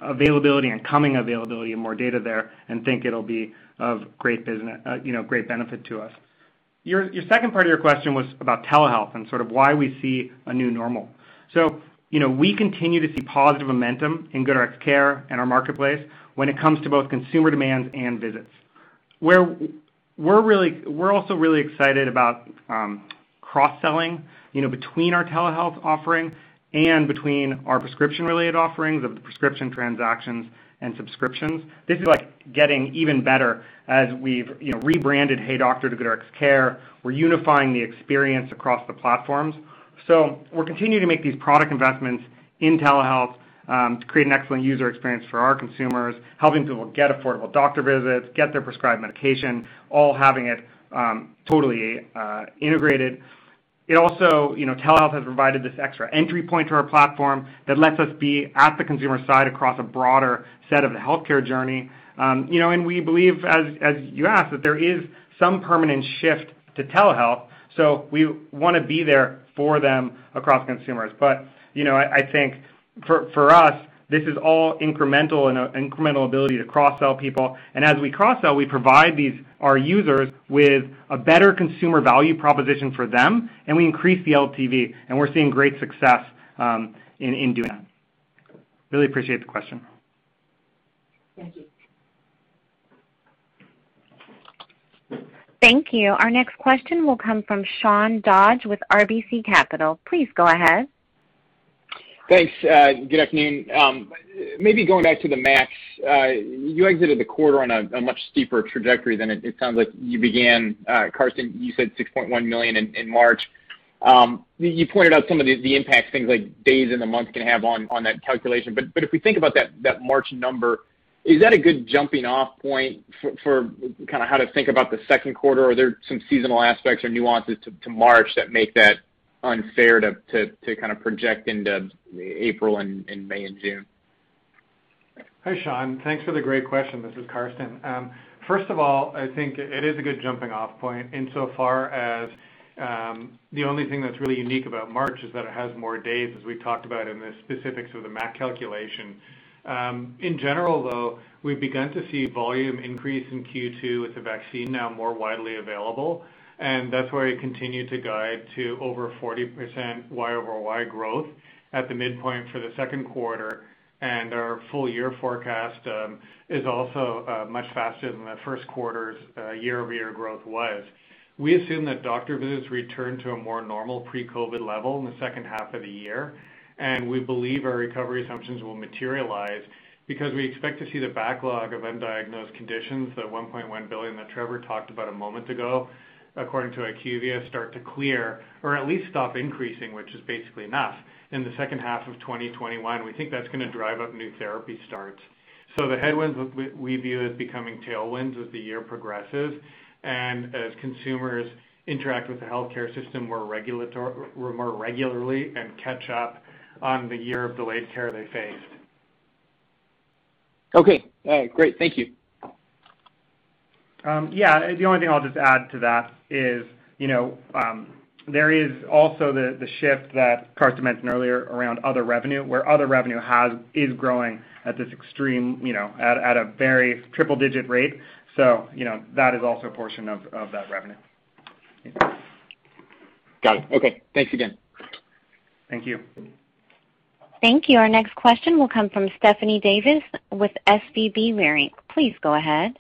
availability and coming availability of more data there and think it'll be of great benefit to us. Your second part of your question was about telehealth and sort of why we see a new normal. We continue to see positive momentum in GoodRx Care and our marketplace when it comes to both consumer demands and visits. We're also really excited about cross-selling between our telehealth offering and between our prescription-related offerings of the prescription transactions and subscriptions. This is like getting even better as we've rebranded HeyDoctor to GoodRx Care. We're unifying the experience across the platforms. We're continuing to make these product investments in telehealth to create an excellent user experience for our consumers, helping people get affordable doctor visits, get their prescribed medication, all having it totally integrated. Telehealth has provided this extra entry point to our platform that lets us be at the consumer side across a broader set of the healthcare journey. We believe, as you asked, that there is some permanent shift to telehealth, so we want to be there for them across consumers. I think for us, this is all incremental and an incremental ability to cross-sell people. As we cross-sell, we provide our users with a better consumer value proposition for them, and we increase the LTV, and we're seeing great success in doing that. Really appreciate the question. Thank you. Thank you. Our next question will come from Sean Dodge with RBC Capital. Please go ahead. Thanks. Good afternoon. Maybe going back to the MACs, you exited the quarter on a much steeper trajectory than it sounds like you began. Karsten, you said 6.1 million in March. You pointed out some of the impact things like days in the month can have on that calculation. If we think about that March number, is that a good jumping-off point for how to think about the second quarter? Are there some seasonal aspects or nuances to March that make that unfair to project into April and May and June? Hi, Sean. Thanks for the great question. This is Karsten. First of all, I think it is a good jumping-off point insofar as the only thing that's really unique about March is that it has more days, as we talked about in the specifics of the MACs calculation. In general, though, we've begun to see volume increase in Q2 with the vaccine now more widely available, and that's why we continue to guide to over 40% YOY growth at the midpoint for the second quarter. Our full year forecast is also much faster than the first quarter's year-over-year growth was. We assume that doctor visits return to a more normal pre-COVID level in the second half of the year. We believe our recovery assumptions will materialize because we expect to see the backlog of undiagnosed conditions, that 1.1 billion that Trevor talked about a moment ago, according to IQVIA, start to clear or at least stop increasing, which is basically enough, in the second half of 2021. We think that's going to drive up new therapy starts. The headwinds we view as becoming tailwinds as the year progresses and as consumers interact with the healthcare system more regularly and catch up on the year of delayed care they faced. Okay. All right. Great. Thank you. Yeah. The only thing I'll just add to that is, there is also the shift that Karsten mentioned earlier around other revenue, where other revenue is growing at this extreme, at a very triple-digit rate. That is also a portion of that revenue. Got it. Okay. Thanks again. Thank you. Thank you. Our next question will come from Stephanie Davis with SVB Leerink. Please go ahead.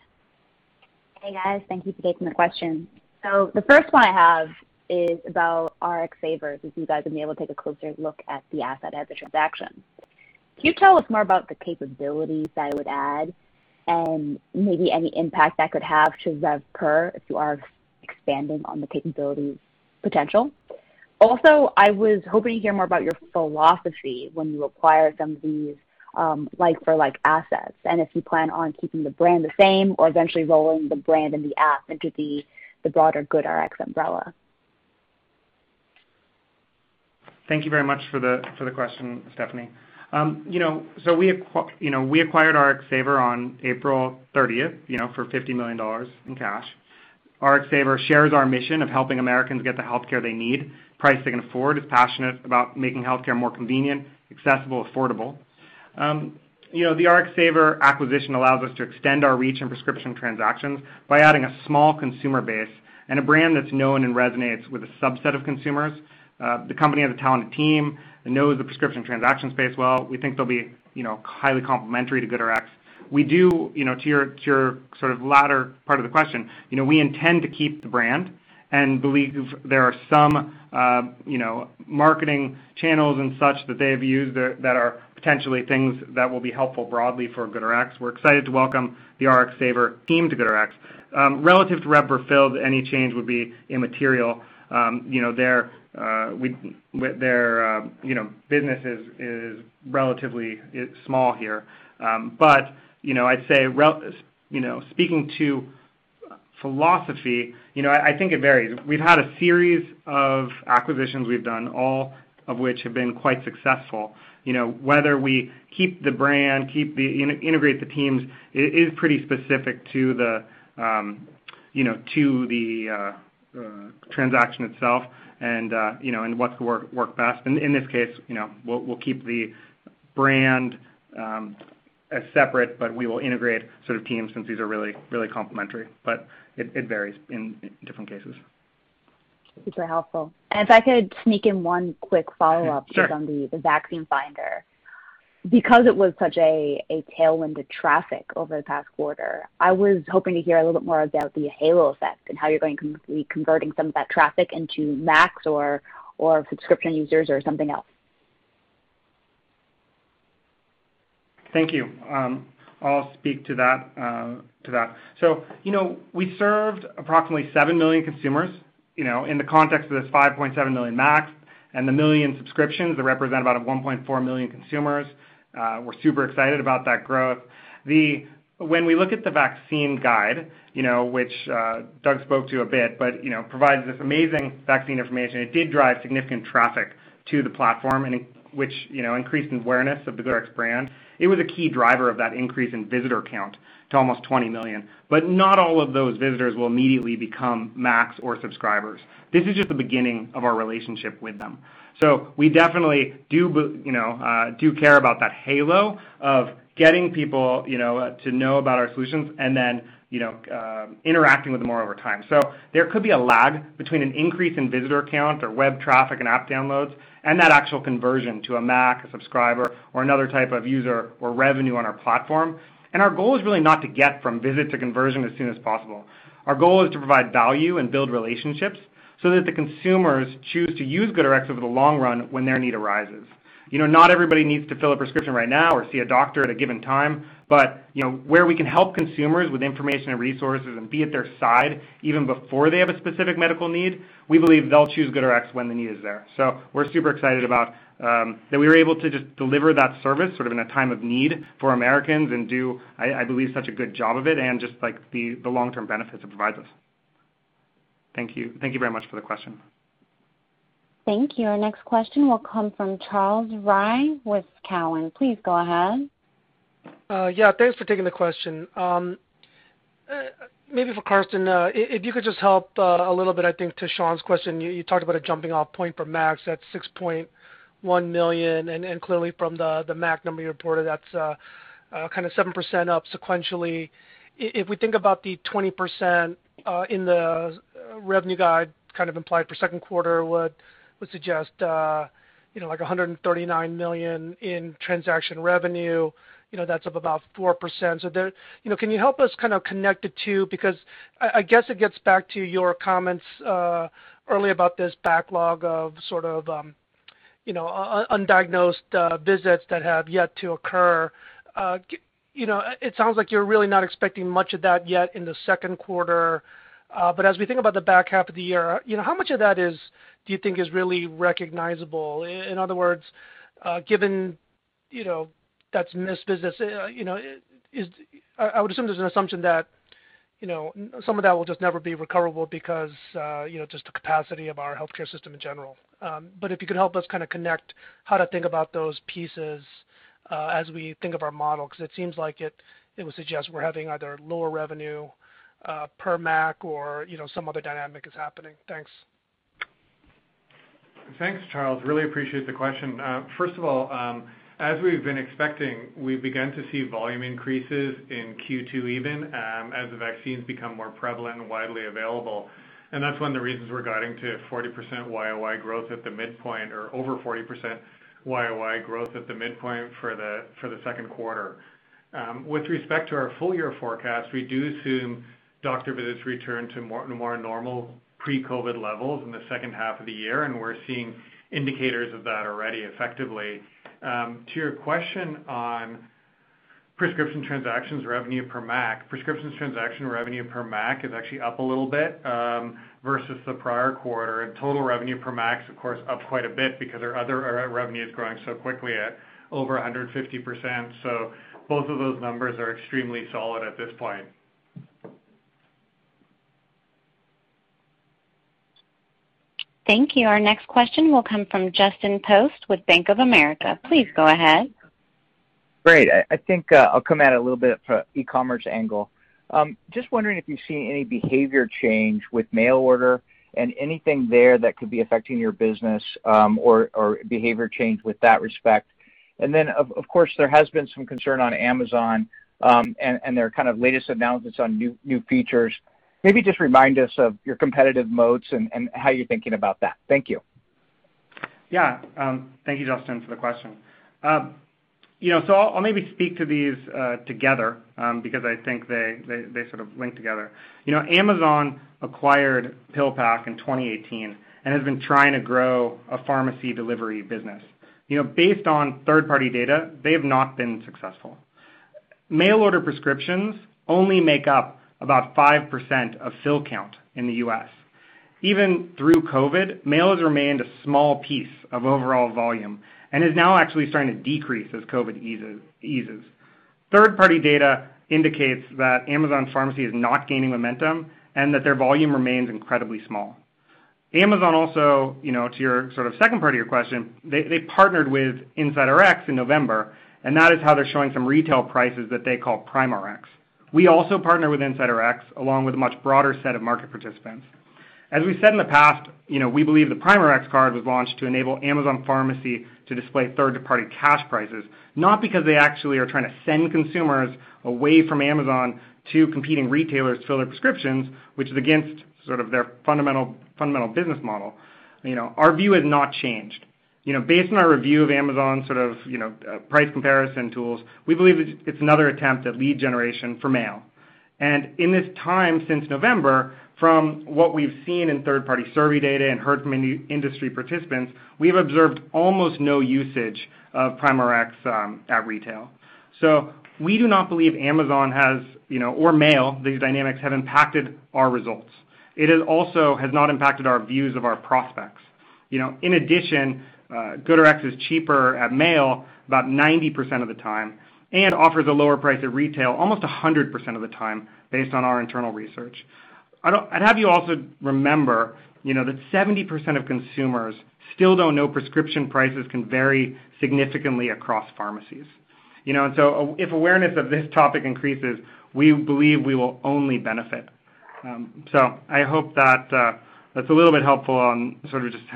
Hey, guys. Thank you for taking the question. The first one I have is about RxSaver, since you guys will be able to take a closer look at the asset as a transaction. Can you tell us more about the capabilities that it would add and maybe any impact that could have to rev per fill if you are expanding on the capabilities potential? I was hoping to hear more about your philosophy when you acquire some of these like-for-like assets and if you plan on keeping the brand the same or eventually rolling the brand and the app into the broader GoodRx umbrella. Thank you very much for the question, Stephanie. We acquired RxSaver on April 30th for $50 million in cash. RxSaver shares our mission of helping Americans get the healthcare they need priced they can afford. It's passionate about making healthcare more convenient, accessible, affordable. The RxSaver acquisition allows us to extend our reach in prescription transactions by adding a small consumer base and a brand that's known and resonates with a subset of consumers. The company has a talented team and knows the prescription transaction space well. We think they'll be highly complementary to GoodRx. We do, to your latter part of the question, we intend to keep the brand and believe there are some marketing channels and such that they've used that are potentially things that will be helpful broadly for GoodRx. We're excited to welcome the RxSaver team to GoodRx. Relative to rev per fill, any change would be immaterial. Their business is relatively small here. I'd say, speaking to philosophy, I think it varies. We've had a series of acquisitions we've done, all of which have been quite successful. Whether we keep the brand, integrate the teams, it is pretty specific to the transaction itself and what could work best. In this case, we'll keep the brand as separate, but we will integrate teams since these are really complementary. It varies in different cases. Super helpful. If I could sneak in one quick follow-up. Sure just on the Vaccine Finder. Because it was such a tailwind to traffic over the past quarter, I was hoping to hear a little bit more about the halo effect and how you're going to be converting some of that traffic into MACs or subscription users, or something else. Thank you. I'll speak to that. We served approximately 7 million consumers, in the context of this 5.7 million MACs and the million subscriptions that represent about 1.4 million consumers. We're super excited about that growth. We look at the COVID-19 Vaccine Guide, which Doug spoke to a bit, but it provides this amazing vaccine information. It did drive significant traffic to the platform, and which increased awareness of the GoodRx brand. It was a key driver of that increase in visitor count to almost 20 million. Not all of those visitors will immediately become MACs or subscribers. This is just the beginning of our relationship with them. We definitely do care about that halo of getting people to know about our solutions and then interacting with them more over time. There could be a lag between an increase in visitor count or web traffic and app downloads and that actual conversion to a MAC, a subscriber, or another type of user or revenue on our platform. Our goal is really not to get from visit to conversion as soon as possible. Our goal is to provide value and build relationships so that the consumers choose to use GoodRx over the long run when their need arises. Not everybody needs to fill a prescription right now or see a doctor at a given time, but where we can help consumers with information and resources and be at their side even before they have a specific medical need, we believe they'll choose GoodRx when the need is there. We're super excited about that we were able to just deliver that service sort of in a time of need for Americans and do, I believe, such a good job of it and just the long-term benefits it provides us. Thank you. Thank you very much for the question. Thank you. Our next question will come from Charles Rhyee with Cowen. Please go ahead. Yeah, thanks for taking the question. Maybe for Karsten, if you could just help a little bit, I think, to Sean's question, you talked about a jumping-off point for MACs at 6.1 million, and clearly from the MACs number you reported, that's 7% up sequentially. If we think about the 20% in the revenue guide implied for second quarter, would suggest like $139 million in transaction revenue, that's up about 4%. Can you help us connect the two? I guess it gets back to your comments earlier about this backlog of undiagnosed visits that have yet to occur. It sounds like you're really not expecting much of that yet in the second quarter. As we think about the back half of the year, how much of that do you think is really recognizable? In other words, given that's missed visits, I would assume there's an assumption that some of that will just never be recoverable because just the capacity of our healthcare system in general. If you could help us connect how to think about those pieces as we think of our model, because it seems like it would suggest we're having either lower revenue per MAC or some other dynamic is happening. Thanks. Thanks, Charles. Really appreciate the question. First of all, as we've been expecting, we began to see volume increases in Q2 even as the vaccines become more prevalent and widely available. That's one of the reasons we're guiding to 40% YOY growth at the midpoint or over 40% YOY growth at the midpoint for the second quarter. With respect to our full year forecast, we do assume doctor visits return to more normal pre-COVID levels in the second half of the year. We're seeing indicators of that already effectively. To your question on prescription transactions revenue per MACs, prescriptions transaction revenue per MACs is actually up a little bit versus the prior quarter. Total revenue per MACs, of course, up quite a bit because our other revenue is growing so quickly at over 150%. Both of those numbers are extremely solid at this point. Thank you. Our next question will come from Justin Post with Bank of America. Please go ahead. Great. I think I'll come at it a little bit from an e-commerce angle. Just wondering if you've seen any behavior change with mail order and anything there that could be affecting your business or behavior change with that respect. Of course, there has been some concern on Amazon, and their latest announcements on new features. Maybe just remind us of your competitive moats and how you're thinking about that. Thank you. Thank you, Justin, for the question. I'll maybe speak to these together, because I think they sort of link together. Amazon acquired PillPack in 2018 and has been trying to grow a pharmacy delivery business. Based on third-party data, they have not been successful. Mail order prescriptions only make up about 5% of fill count in the U.S. Even through COVID, mail has remained a small piece of overall volume and is now actually starting to decrease as COVID eases. Third-party data indicates that Amazon Pharmacy is not gaining momentum and that their volume remains incredibly small. Amazon also, to your second part of your question, they partnered with Inside Rx in November, and that is how they're showing some retail prices that they call PrimeRx. We also partner with Inside Rx, along with a much broader set of market participants. As we've said in the past, we believe the PrimeRx card was launched to enable Amazon Pharmacy to display third-party cash prices, not because they actually are trying to send consumers away from Amazon to competing retailers to fill their prescriptions, which is against their fundamental business model. Our view has not changed. Based on our review of Amazon's price comparison tools, we believe it's another attempt at lead generation for mail. In this time since November, from what we've seen in third-party survey data and heard from industry participants, we've observed almost no usage of PrimeRx at retail. We do not believe Amazon has, or mail, these dynamics have impacted our results. It also has not impacted our views of our prospects. In addition, GoodRx is cheaper at mail about 90% of the time and offers a lower price at retail almost 100% of the time, based on our internal research. I'd have you also remember that 70% of consumers still don't know prescription prices can vary significantly across pharmacies. If awareness of this topic increases, we believe we will only benefit. I hope that's a little bit helpful on just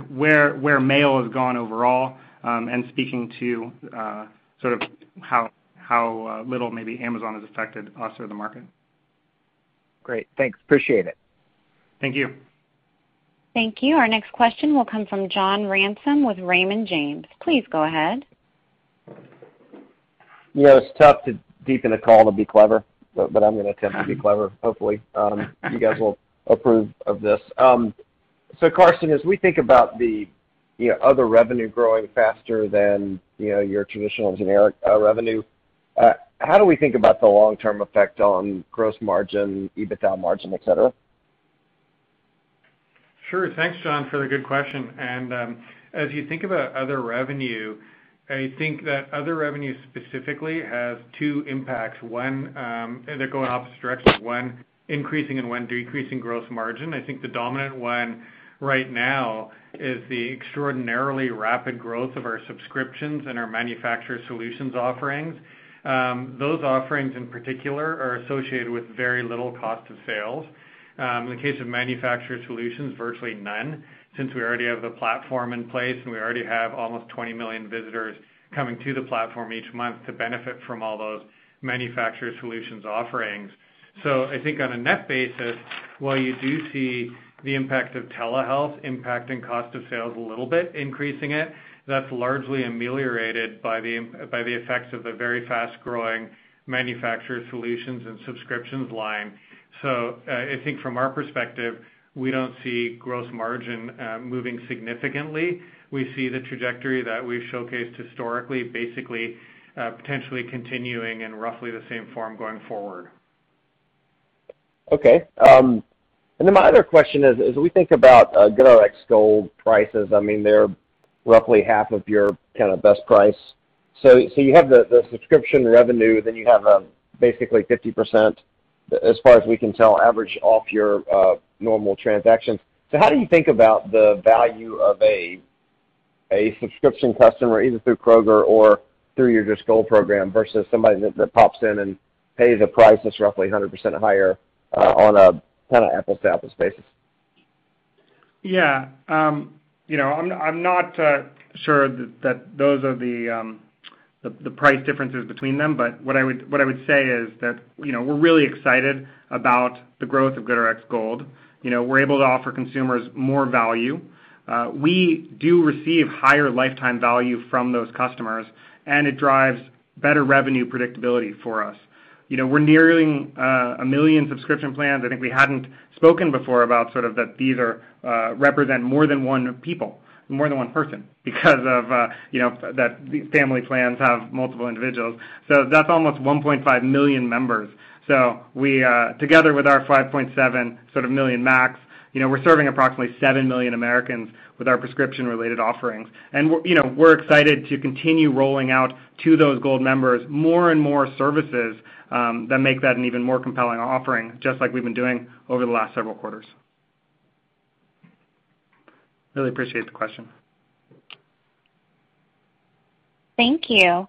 where mail has gone overall, and speaking to how little maybe Amazon has affected us or the market. Great. Thanks. Appreciate it. Thank you. Thank you. Our next question will come from John Ransom with Raymond James. Please go ahead. Yeah, it's tough to deepen a call to be clever, but I'm going to attempt to be clever, hopefully. You guys will approve of this. Karsten, as we think about the other revenue growing faster than your traditional generic revenue, how do we think about the long-term effect on gross margin, EBITDA margin, et cetera? Sure. Thanks, John, for the good question. As you think about other revenue, I think that other revenue specifically has two impacts. One, they're going opposite directions, one increasing and one decreasing gross margin. I think the dominant one right now is the extraordinarily rapid growth of our subscriptions and our manufacturer solutions offerings. Those offerings in particular are associated with very little cost of sales. In the case of manufacturer solutions, virtually none, since we already have the platform in place, and we already have almost 20 million visitors coming to the platform each month to benefit from all those manufacturer solutions offerings. I think on a net basis, while you do see the impact of telehealth impacting cost of sales a little bit, increasing it, that's largely ameliorated by the effects of the very fast-growing manufacturer solutions and subscriptions line. I think from our perspective, we don't see gross margin moving significantly. We see the trajectory that we've showcased historically, potentially continuing in roughly the same form going forward. Okay. My other question is, as we think about GoodRx Gold prices, they're roughly half of your best price. You have the subscription revenue, then you have basically 50%, as far as we can tell, average off your normal transactions. How do you think about the value of a subscription customer, either through Kroger or through your Gold program, versus somebody that pops in and pays a price that's roughly 100% higher on a kind of apples to apples basis? Yeah. I'm not sure that those are the price differences between them. What I would say is that, we're really excited about the growth of GoodRx Gold. We're able to offer consumers more value. We do receive higher lifetime value from those customers, and it drives better revenue predictability for us. We're nearing a million subscription plans. I think we hadn't spoken before about that these represent more than one person, because of that family plans have multiple individuals. That's almost 1.5 million members. Together with our 5.7 million MACs, we're serving approximately seven million Americans with our prescription-related offerings. We're excited to continue rolling out to those Gold members more and more services that make that an even more compelling offering, just like we've been doing over the last several quarters. Really appreciate the question. Thank you.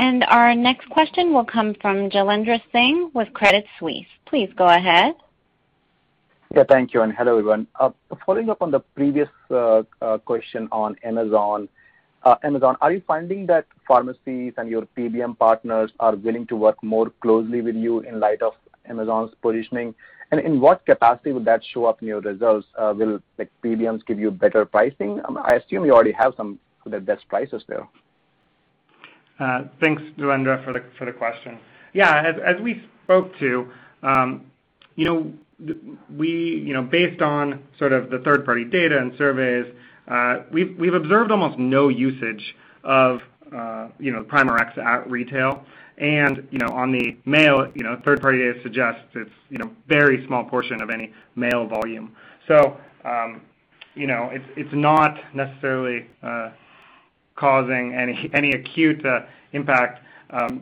Our next question will come from Jailendra Singh with Credit Suisse. Please go ahead. Yeah. Thank you, and hello, everyone. Following up on the previous question on Amazon. Amazon, are you finding that pharmacies and your PBM partners are willing to work more closely with you in light of Amazon's positioning? In what capacity would that show up in your results? Will PBMs give you better pricing? I assume you already have some of the best prices there. Thanks, Jailendra, for the question. Yeah. As we spoke to, based on the third-party data and surveys, we've observed almost no usage of PrimeRx at retail, and on the mail, third party suggests it's a very small portion of any mail volume. It's not necessarily causing any acute impact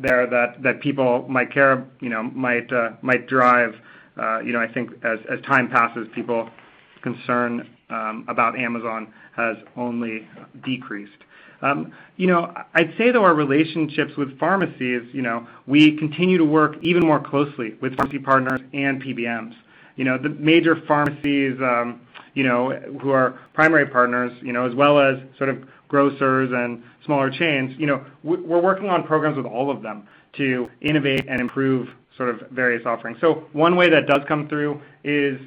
there that people might drive. I think as time passes, people's concern about Amazon has only decreased. I'd say that our relationships with pharmacies, we continue to work even more closely with pharmacy partners and PBMs. The major pharmacies, who are primary partners, as well as grocers and smaller chains, we're working on programs with all of them to innovate and improve various offerings. One way that does come through is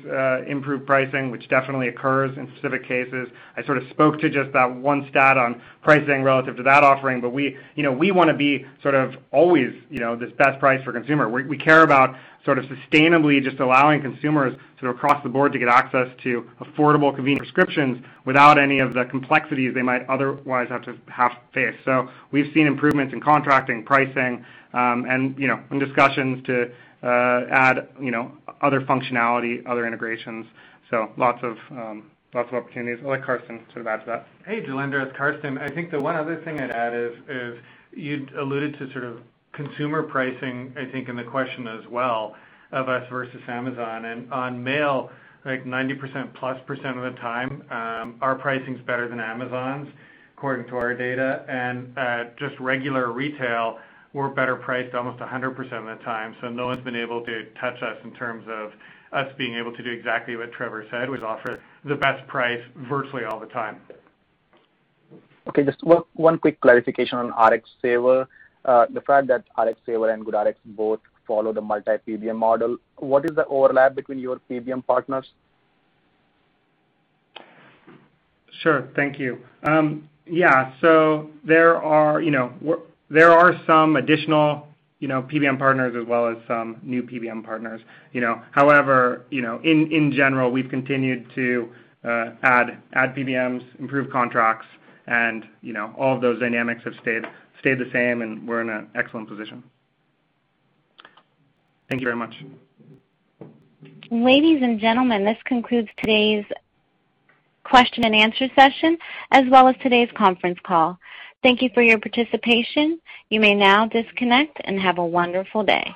improved pricing, which definitely occurs in specific cases. I spoke to just that one stat on pricing relative to that offering. We want to be always the best price for consumer. We care about sustainably just allowing consumers across the board to get access to affordable, convenient prescriptions without any of the complexities they might otherwise have to face. We've seen improvements in contracting, pricing, and some discussions to add other functionality, other integrations. Lots of opportunities. I'll let Karsten sort of add to that. Hey, Jailendra. Karsten. I think the one other thing I'd add is, you'd alluded to consumer pricing, I think in the question as well, of us versus Amazon. On mail, 90% plus of the time, our pricing's better than Amazon's, according to our data. At just regular retail, we're better priced almost 100% of the time. No one's been able to touch us in terms of us being able to do exactly what Trevor said, which is offer the best price virtually all the time. Just one quick clarification on RxSaver. The fact that RxSaver and GoodRx both follow the multi-PBM model, what is the overlap between your PBM partners? Sure. Thank you. Yeah. There are some additional PBM partners as well as some new PBM partners. However, in general, we've continued to add PBMs, improve contracts, and all of those dynamics have stayed the same, and we're in an excellent position. Thank you very much. Ladies and gentlemen, this concludes today's question and answer session, as well as today's conference call. Thank you for your participation. You may now disconnect, and have a wonderful day.